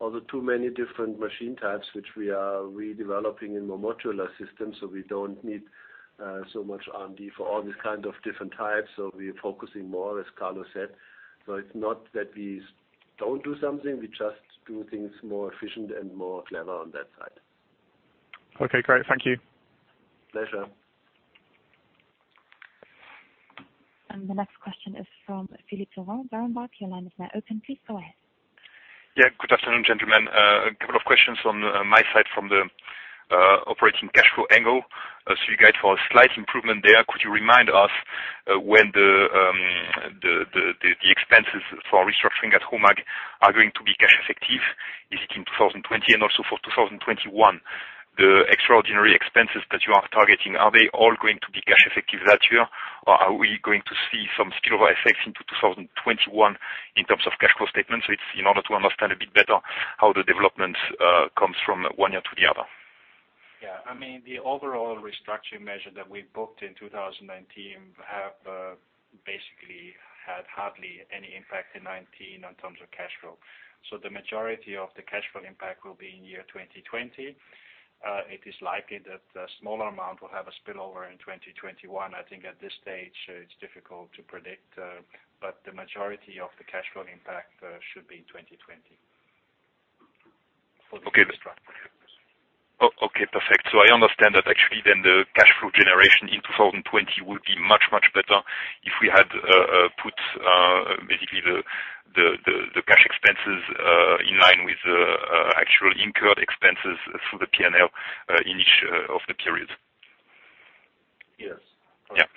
[SPEAKER 2] also too many different machine types, which we are redeveloping in more modular systems. So we don't need so much R&D for all these kinds of different types. So we are focusing more, as Carlo said. So it's not that we don't do something. We just do things more efficient and more clever on that side.
[SPEAKER 5] Okay. Great. Thank you.
[SPEAKER 2] Pleasure.
[SPEAKER 1] And the next question is from Philippe Lorrain, Berenberg. Your line is now open. Please go ahead.
[SPEAKER 6] Yeah. Good afternoon, gentlemen. A couple of questions from my side from the operating cash flow angle. So you guys saw a slight improvement there. Could you remind us when the expenses for restructuring at HOMAG are going to be cash effective? Is it in 2020 and also for 2021? The extraordinary expenses that you are targeting, are they all going to be cash effective that year? Or are we going to see some spillover effects into 2021 in terms of cash flow statements? So it's in order to understand a bit better how the development comes from one year to the other.
[SPEAKER 3] Yeah. I mean, the overall restructuring measure that we booked in 2019 has basically had hardly any impact in 2019 in terms of cash flow. So the majority of the cash flow impact will be in year 2020. It is likely that a smaller amount will have a spillover in 2021. I think at this stage, it's difficult to predict. But the majority of the cash flow impact should be in 2020 for the restructuring.
[SPEAKER 6] Okay. Perfect. So I understand that actually then the cash flow generation in 2020 would be much, much better if we had put basically the cash expenses in line with the actual incurred expenses through the P&L in each of the periods.
[SPEAKER 3] Yes.
[SPEAKER 6] Yeah.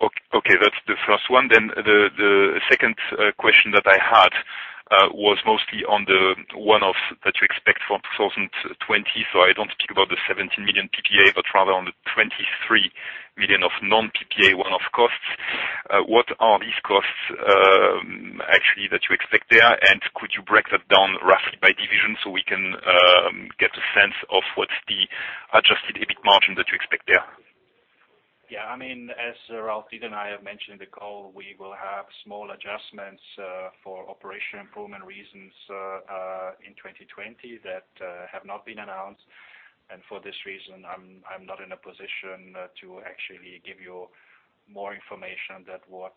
[SPEAKER 6] Okay. That's the first one. Then the second question that I had was mostly on the one-offs that you expect for 2020. So I don't speak about the 17 million PPA, but rather on the 23 million of non-PPA one-off costs. What are these costs actually that you expect there? And could you break that down roughly by division so we can get a sense of what's the adjusted EBIT margin that you expect there?
[SPEAKER 3] Yeah. I mean, as Ralf Dieter and I have mentioned in the call, we will have small adjustments for operation improvement reasons in 2020 that have not been announced, and for this reason, I'm not in a position to actually give you more information than what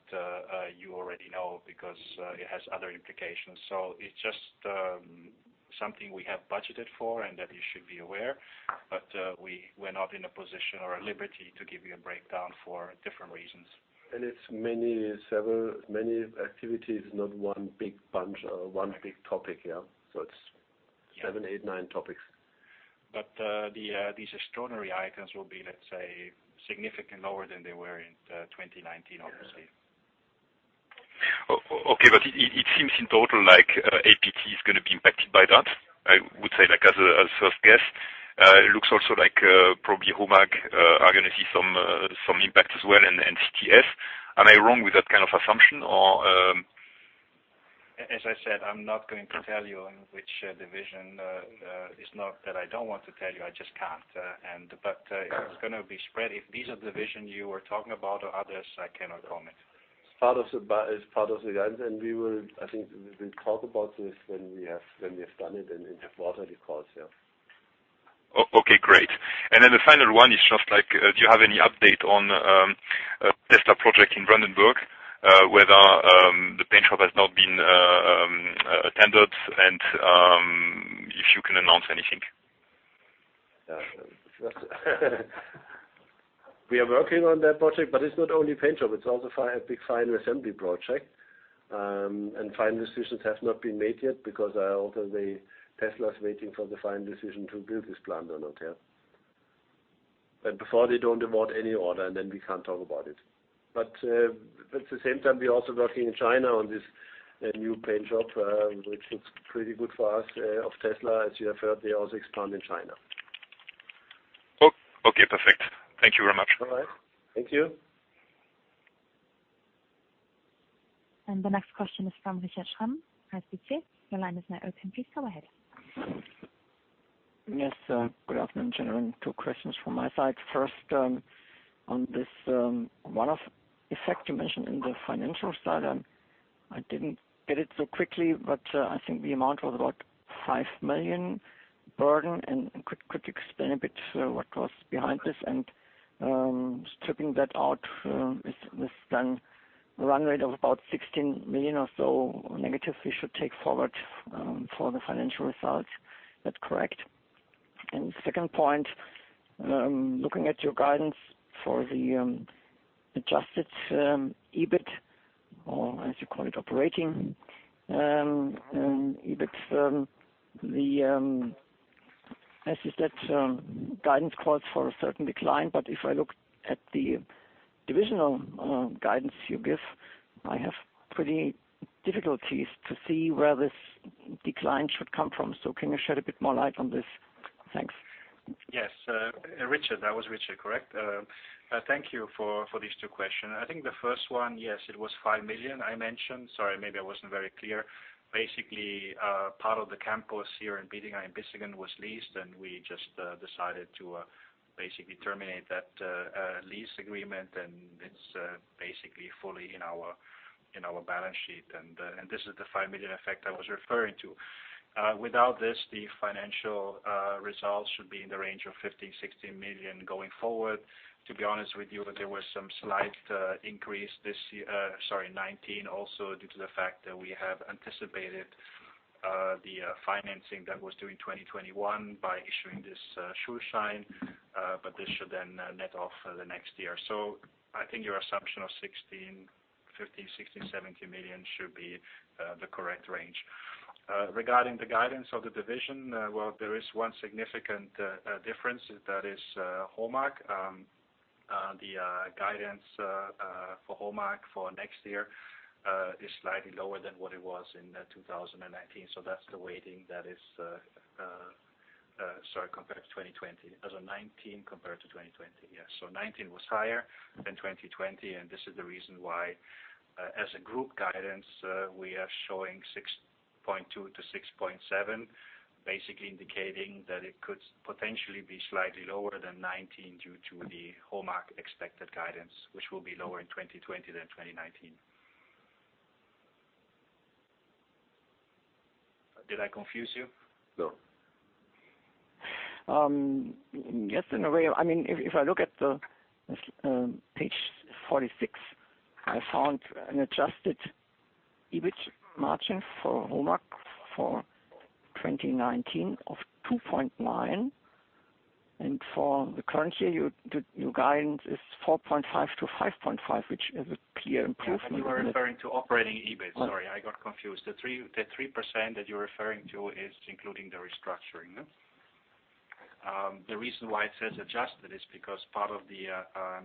[SPEAKER 3] you already know because it has other implications, so it's just something we have budgeted for and that you should be aware, but we're not in a position at liberty to give you a breakdown for different reasons.
[SPEAKER 2] And it's many activities, not one big bunch or one big topic. Yeah. So it's seven, eight, nine topics.
[SPEAKER 3] But these extraordinary items will be, let's say, significantly lower than they were in 2019, obviously.
[SPEAKER 6] Okay, but it seems in total like APT is going to be impacted by that, I would say, as a first guess. It looks also like probably HOMAG are going to see some impact as well and CTS. Am I wrong with that kind of assumption or?
[SPEAKER 3] As I said, I'm not going to tell you in which division. It's not that I don't want to tell you. I just can't. But it's going to be spread. If these are the divisions you were talking about or others, I cannot comment.
[SPEAKER 2] It's part of the guidance. And I think we will talk about this when we have done it and have brought out these results.
[SPEAKER 6] Yeah. Okay. Great. And then the final one is just like, do you have any update on the Tesla project in Brandenburg, whether the paint shop has not been awarded? And if you can announce anything.
[SPEAKER 2] We are working on that project, but it's not only paint shop. It's also a big final assembly project. Final decisions have not been made yet because also the Tesla is waiting for the final decision to build this plant or not. Yeah. But before they don't award any order, and then we can't talk about it. But at the same time, we are also working in China on this new paint shop, which looks pretty good for us of Tesla. As you have heard, they also expand in China.
[SPEAKER 6] Okay. Perfect. Thank you very much.
[SPEAKER 2] All right. Thank you.
[SPEAKER 1] The next question is from Richard Schramm, HSBC. Your line is now open. Please go ahead.
[SPEAKER 7] Yes. Good afternoon, gentlemen. Two questions from my side. First, on this one-off effect you mentioned in the financial side, I didn't get it so quickly, but I think the amount was about five million burden. Could you explain a bit what was behind this? And stripping that out, it's done a run rate of about 16 million or so negative we should take forward for the financial results. Is that correct? And second point, looking at your guidance for the adjusted EBIT, or as you call it, operating EBIT, the guidance calls for a certain decline. But if I look at the divisional guidance you give, I have pretty difficulties to see where this decline should come from. So can you shed a bit more light on this? Thanks.
[SPEAKER 3] Yes. Richard, that was Richard, correct? Thank you for these two questions. I think the first one, yes, it was 5 million I mentioned. Sorry, maybe I wasn't very clear. Basically, part of the campus here in Bietigheim-Bissingen was leased, and we just decided to basically terminate that lease agreement. And it's basically fully in our balance sheet. This is the 5 million effect I was referring to. Without this, the financial results should be in the range of 15 million-16 million going forward. To be honest with you, there was some slight increase this, sorry, 2019, also due to the fact that we have anticipated the financing that was due in 2021 by issuing this Schuldschein. This should then net off the next year. I think your assumption of 15 million-17 million should be the correct range. Regarding the guidance of the division, there is one significant difference. That is HOMAG. The guidance for HOMAG for next year is slightly lower than what it was in 2019. That's the weighting that is, sorry, compared to 2020. As of 2019, compared to 2020. Yes. 2019 was higher than 2020. This is the reason why, as a group guidance, we are showing 6.2%-6.7%, basically indicating that it could potentially be slightly lower than 2019 due to the HOMAG expected guidance, which will be lower in 2020 than 2019. Did I confuse you?
[SPEAKER 7] Yes, in a way. I mean, if I look at page 46, I found an adjusted EBIT margin for HOMAG for 2019 of 2.9%. And for the current year, your guidance is 4.5%-5.5%, which is a clear improvement.
[SPEAKER 3] You were referring to operating EBIT. Sorry, I got confused. The 3% that you're referring to is including the restructuring. The reason why it says adjusted is because part of the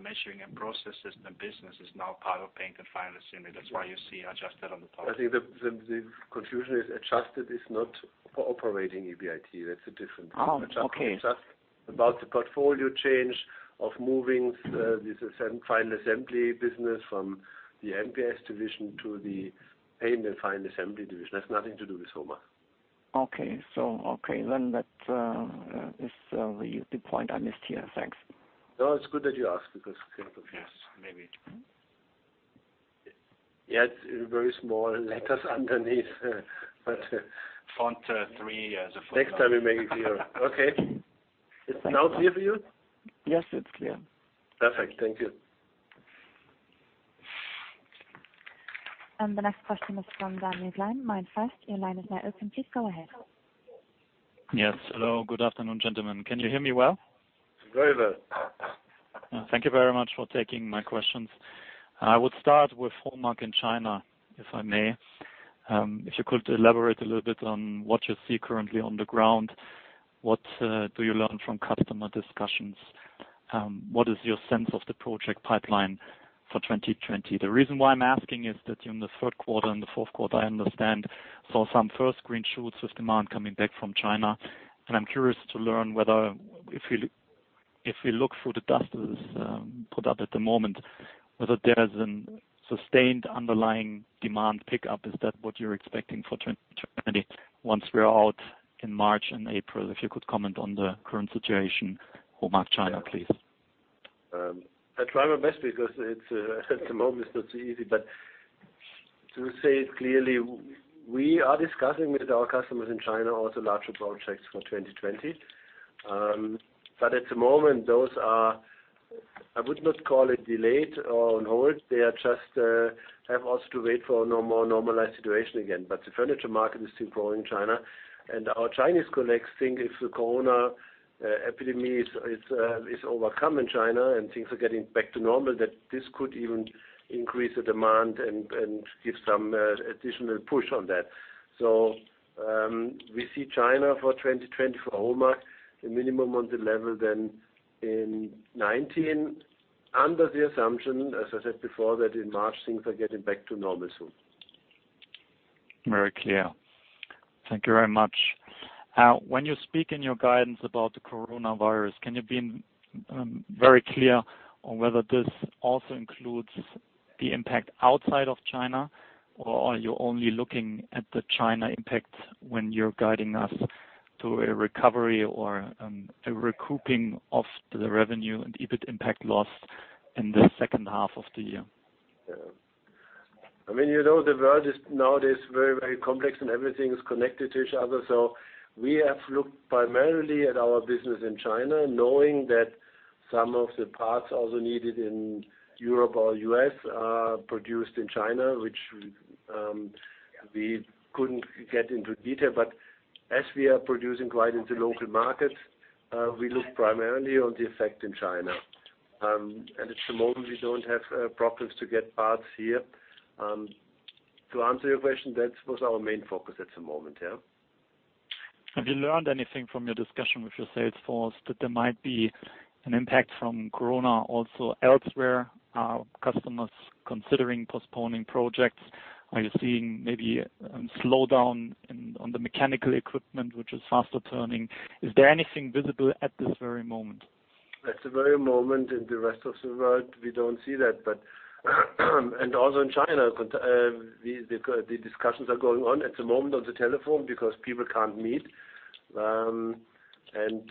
[SPEAKER 3] measuring and process system business is now part of paint and final assembly. why you see adjusted on the top.
[SPEAKER 2] I think the confusion is adjusted is not for operating EBIT. That's a different thing. Adjustment is just about the portfolio change of moving this final assembly business from the MPS division to the paint and final assembly division.
[SPEAKER 3] It has nothing to do with HOMAG Group.
[SPEAKER 7] Okay. So okay. Then that is the point I missed here. Thanks.
[SPEAKER 2] No, it's good that you asked. Yeah. It's very small letters underneath, but.
[SPEAKER 3] Font 3 as a footnote.
[SPEAKER 2] Next time we make it clear. Okay. Is now clear for you?
[SPEAKER 7] Yes, it's clear.
[SPEAKER 1] Perfect. Thank you. And the next question is from Daniel Gleim, MainFirst. Your line is now open. Please go ahead.
[SPEAKER 8] Yes. Hello. Good afternoon, gentlemen. Can you hear me well?
[SPEAKER 2] Very well.
[SPEAKER 8] Thank you very much for taking my questions. I would start with HOMAG Group in China, if I may. If you could elaborate a little bit on what you see currently on the ground, what do you learn from customer discussions? What is your sense of the project pipeline for 2020? The reason why I'm asking is that in the third quarter and the fourth quarter, I understand, saw some first green shoots with demand coming back from China. And I'm curious to learn whether, if we look through the dust that is put up at the moment, whether there's a sustained underlying demand pickup. Is that what you're expecting for 2020 once we're out in March and April? If you could comment on the current situation, HOMAG China, please.
[SPEAKER 2] I try my best because at the moment, it's not so easy. But to say it clearly, we are discussing with our customers in China also larger projects for 2020. At the moment, those are. I would not call it delayed or on hold. They just have to wait for a more normalized situation again. The furniture market is still growing in China. Our Chinese colleagues think if the corona epidemic is overcome in China and things are getting back to normal, that this could even increase the demand and give some additional push on that. We see China for 2020 for HOMAG, the minimum on the level as in 2019, under the assumption, as I said before, that in March, things are getting back to normal soon.
[SPEAKER 8] Very clear. Thank you very much. When you speak in your guidance about the coronavirus, can you be very clear on whether this also includes the impact outside of China, or are you only looking at the China impact when you're guiding us to a recovery or a recouping of the revenue and EBIT impact loss in the second half of the year?
[SPEAKER 2] I mean, you know, the world is nowadays very, very complex, and everything is connected to each other. So we have looked primarily at our business in China, knowing that some of the parts also needed in Europe or U.S. are produced in China, which we couldn't get into detail, but as we are producing right into local markets, we look primarily on the effect in China, and at the moment, we don't have problems to get parts here. To answer your question, that was our main focus at the moment. Yeah.
[SPEAKER 8] Have you learned anything from your discussion with your sales force that there might be an impact from corona also elsewhere? Are customers considering postponing projects? Are you seeing maybe a slowdown on the mechanical equipment, which is faster turning? Is there anything visible at this very moment?
[SPEAKER 2] At the very moment in the rest of the world, we don't see that. And also in China, the discussions are going on at the moment on the telephone because people can't meet. And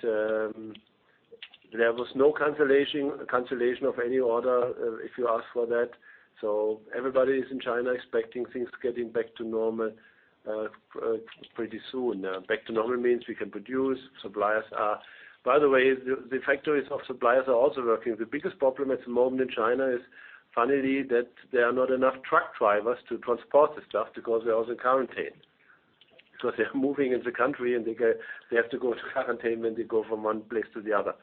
[SPEAKER 2] there was no cancellation of any order, if you ask for that. So everybody is in China expecting things getting back to normal pretty soon. Back to normal means we can produce. Suppliers are, by the way, the factories of suppliers are also working. The biggest problem at the moment in China is, funnily, that there are not enough truck drivers to transport the stuff because they're also in quarantine. Because they're moving in the country, and they have to go into quarantine when they go from one place to the other.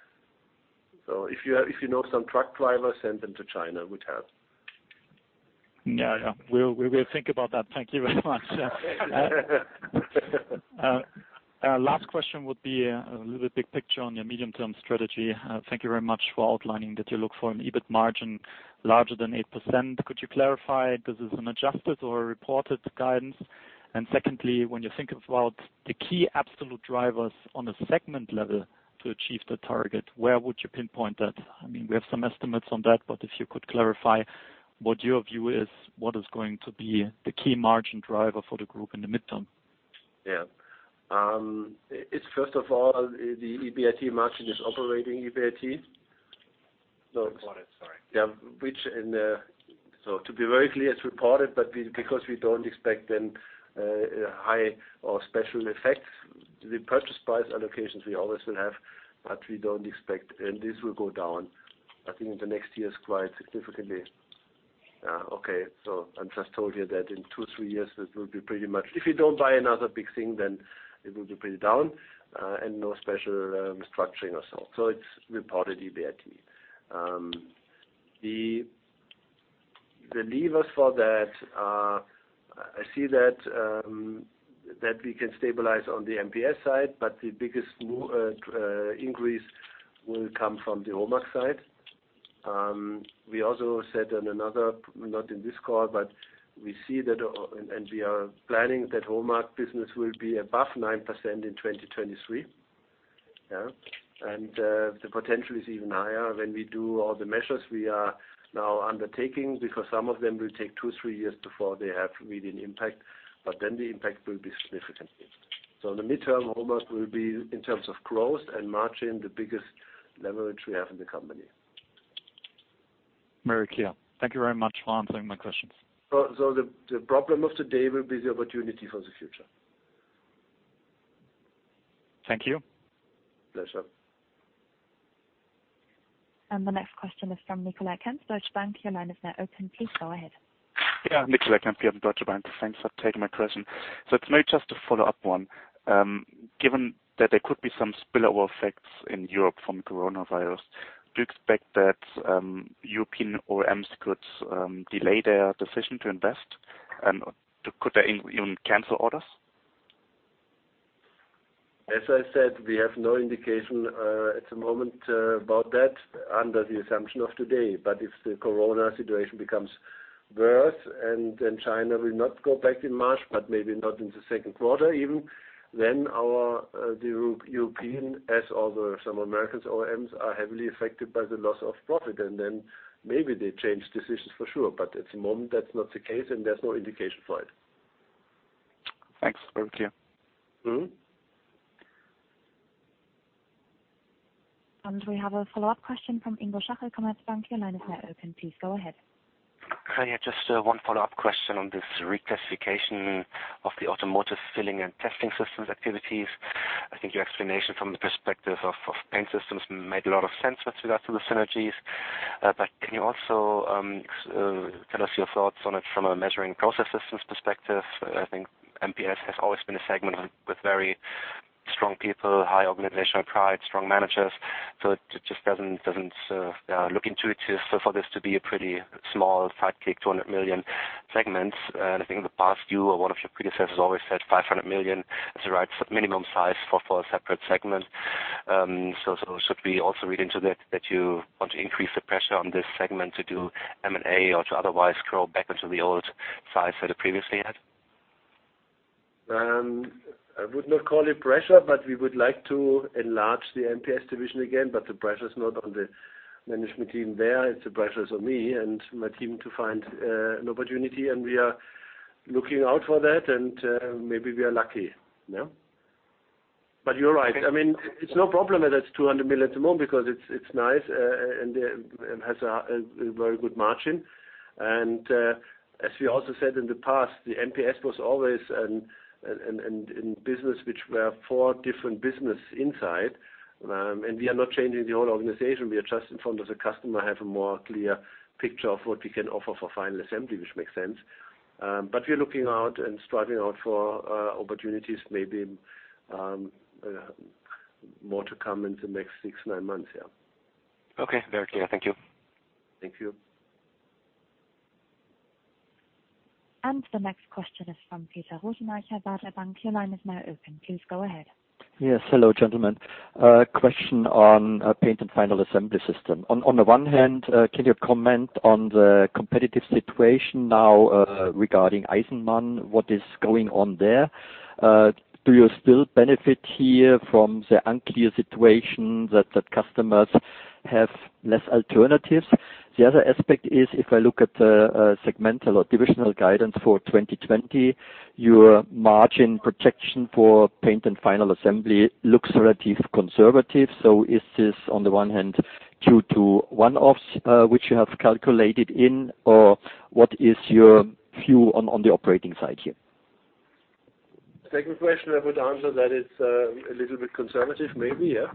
[SPEAKER 2] So if you know some truck drivers, send them to China, which helps.
[SPEAKER 8] Yeah. Yeah. We will think about that. Thank you very much. Last question would be a little bit big picture on your medium-term strategy. Thank you very much for outlining that you look for an EBIT margin larger than 8%. Could you clarify this is an adjusted or a reported guidance? And secondly, when you think about the key absolute drivers on a segment level to achieve the target, where would you pinpoint that? I mean, we have some estimates on that, but if you could clarify what your view is, what is going to be the key margin driver for the group in the midterm?
[SPEAKER 2] Yeah. It's first of all, the EBIT margin is operating EBIT.
[SPEAKER 3] No. Reported, sorry.
[SPEAKER 2] Yeah. So to be very clear, it's reported, but because we don't expect then high or special effects, the purchase price allocations we always will have, but we don't expect. And this will go down. I think in the next year is quite significantly. Okay. So I'm just told here that in two, three years, it will be pretty much if you don't buy another big thing, then it will be pretty down and no special restructuring or so. So it's reported EBIT. The levers for that, I see that we can stabilize on the MPS side, but the biggest increase will come from the HOMAG side. We also said on another, not in this call, but we see that, and we are planning that HOMAG business will be above 9% in 2023. Yeah. And the potential is even higher when we do all the measures we are now undertaking because some of them will take two, three years before they have really an impact, but then the impact will be significant. So in the midterm, HOMAG will be, in terms of growth and margin, the biggest leverage we have in the company.
[SPEAKER 8] Very clear. Thank you very much for answering my questions.
[SPEAKER 2] So the problem of today will be the opportunity for the future.
[SPEAKER 8] Thank you.
[SPEAKER 2] Pleasure.
[SPEAKER 1] And the next question is from Nicolai Kempf, Deutsche Bank. Your line is now open. Please go ahead.
[SPEAKER 9] Yeah. Nicolai Kempf here from Deutsche Bank. Thanks for taking my question. So it's maybe just a follow-up one. Given that there could be some spillover effects in Europe from coronavirus, do you expect that European OEMs could delay their decision to invest? And could they even cancel orders?
[SPEAKER 2] As I said, we have no indication at the moment about that under the assumption of today. But if the corona situation becomes worse and then China will not go back in March, but maybe not in the second quarter even, then our European, as all the some American OEMs are heavily affected by the loss of profit. And then maybe they change decisions for sure. But at the moment, that's not the case, and there's no indication for it.
[SPEAKER 9] Thanks. Very clear.
[SPEAKER 1] And we have a follow-up question from Ingo Schachel from Commerzbank.
[SPEAKER 4] Your line is now open. Please go ahead. Hi. Just one follow-up question on this reclassification of the automotive filling and testing systems activities. I think your explanation from the perspective of paint systems made a lot of sense with regard to the synergies. But can you also tell us your thoughts on it from a measuring process systems perspective? I think MPS has always been a segment with very strong people, high organizational pride, strong managers. So it just doesn't look intuitive for this to be a pretty small, tight-knit 200 million segment. And I think in the past, you or one of your predecessors always said 500 million is the right minimum size for a separate segment. So should we also read into that that you want to increase the pressure on this segment to do M&A or to otherwise curl back into the old size that it previously had?
[SPEAKER 2] I would not call it pressure, but we would like to enlarge the MPS division again. But the pressure is not on the management team there. It's the pressure on me and my team to find an opportunity. And we are looking out for that, and maybe we are lucky. Yeah. But you're right. I mean, it's no problem that it's 200 million at the moment because it's nice and has a very good margin. And as we also said in the past, the MPS was always in business, which were four different business inside. And we are not changing the whole organization. We are just, in front of the customer, have a more clear picture of what we can offer for final assembly, which makes sense. But we're looking out and striving out for opportunities, maybe more to come in the next six, nine months. Yeah.
[SPEAKER 4] Okay. Very clear. Thank you.
[SPEAKER 2] Thank you.
[SPEAKER 1] And the next question is from Peter Rothenaicher, Baader Bank. Your line is now open. Please go ahead.
[SPEAKER 2] Yes. Hello, gentlemen. Question on paint and final assembly system. On the one hand, can you comment on the competitive situation now regarding Eisenmann? What is going on there? Do you still benefit here from the unclear situation that customers have less alternatives? The other aspect is, if I look at the segmental or divisional guidance for 2020, your margin projection for paint and final assembly looks relatively conservative. So is this, on the one hand, due to one-offs which you have calculated in, or what is your view on the operating side here? Second question, I would answer that it's a little bit conservative, maybe. Yeah.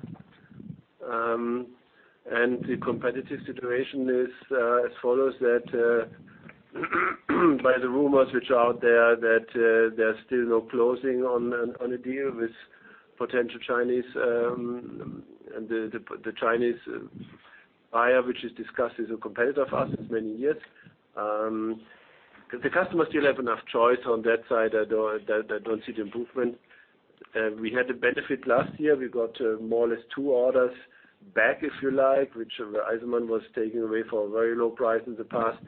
[SPEAKER 2] And the competitive situation is as follows: that by the rumors which are out there that there's still no closing on a deal with potential Chinese and the Chinese buyer, which is discussed as a competitor of us for many years. The customers still have enough choice on that side. I don't see the improvement. We had a benefit last year. We got more or less two orders back, if you like, which Eisenmann was taking away for a very low price in the past.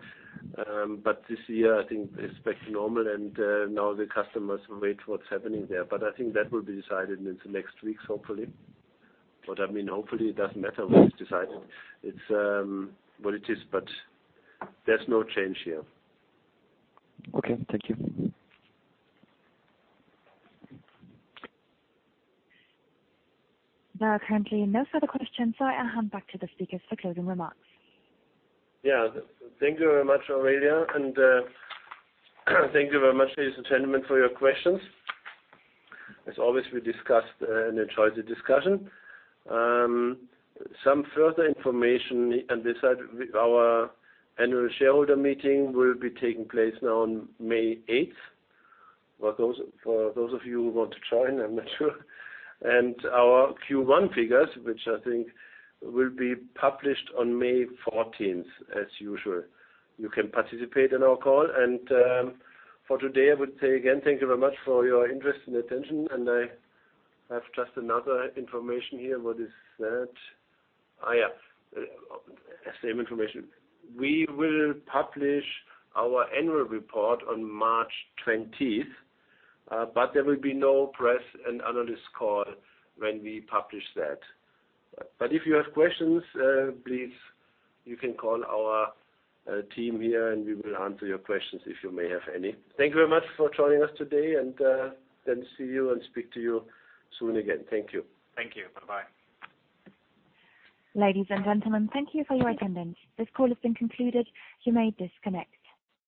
[SPEAKER 2] But this year, I think it's back to normal, and now the customers wait for what's happening there. But I think that will be decided in the next weeks, hopefully. But I mean, hopefully, it doesn't matter what is decided. It's what it is, but there's no change here.
[SPEAKER 10] Okay. Thank you.
[SPEAKER 1] There are currently no further questions, so I'll hand back to the speakers for closing remarks.
[SPEAKER 2] Yeah. Thank you very much, Aurelia. And thank you very much, ladies and gentlemen, for your questions. As always, we discuss and enjoy the discussion. Some further information on this side, our annual shareholder meeting will be taking place now on May 8th for those of you who want to join. I'm not sure. And our Q1 figures, which I think will be published on May 14th, as usual. You can participate in our call. And for today, I would say again, thank you very much for your interest and attention. And I have just another information here. What is that? Oh, yeah. Same information. We will publish our annual report on March 20th, but there will be no press and analyst call when we publish that. But if you have questions, please, you can call our team here, and we will answer your questions if you may have any. Thank you very much for joining us today, and then see you and speak to you soon again. Thank you.
[SPEAKER 3] Thank you. Bye-bye.
[SPEAKER 1] Ladies and gentlemen, thank you for your attendance. This call has been concluded. You may disconnect.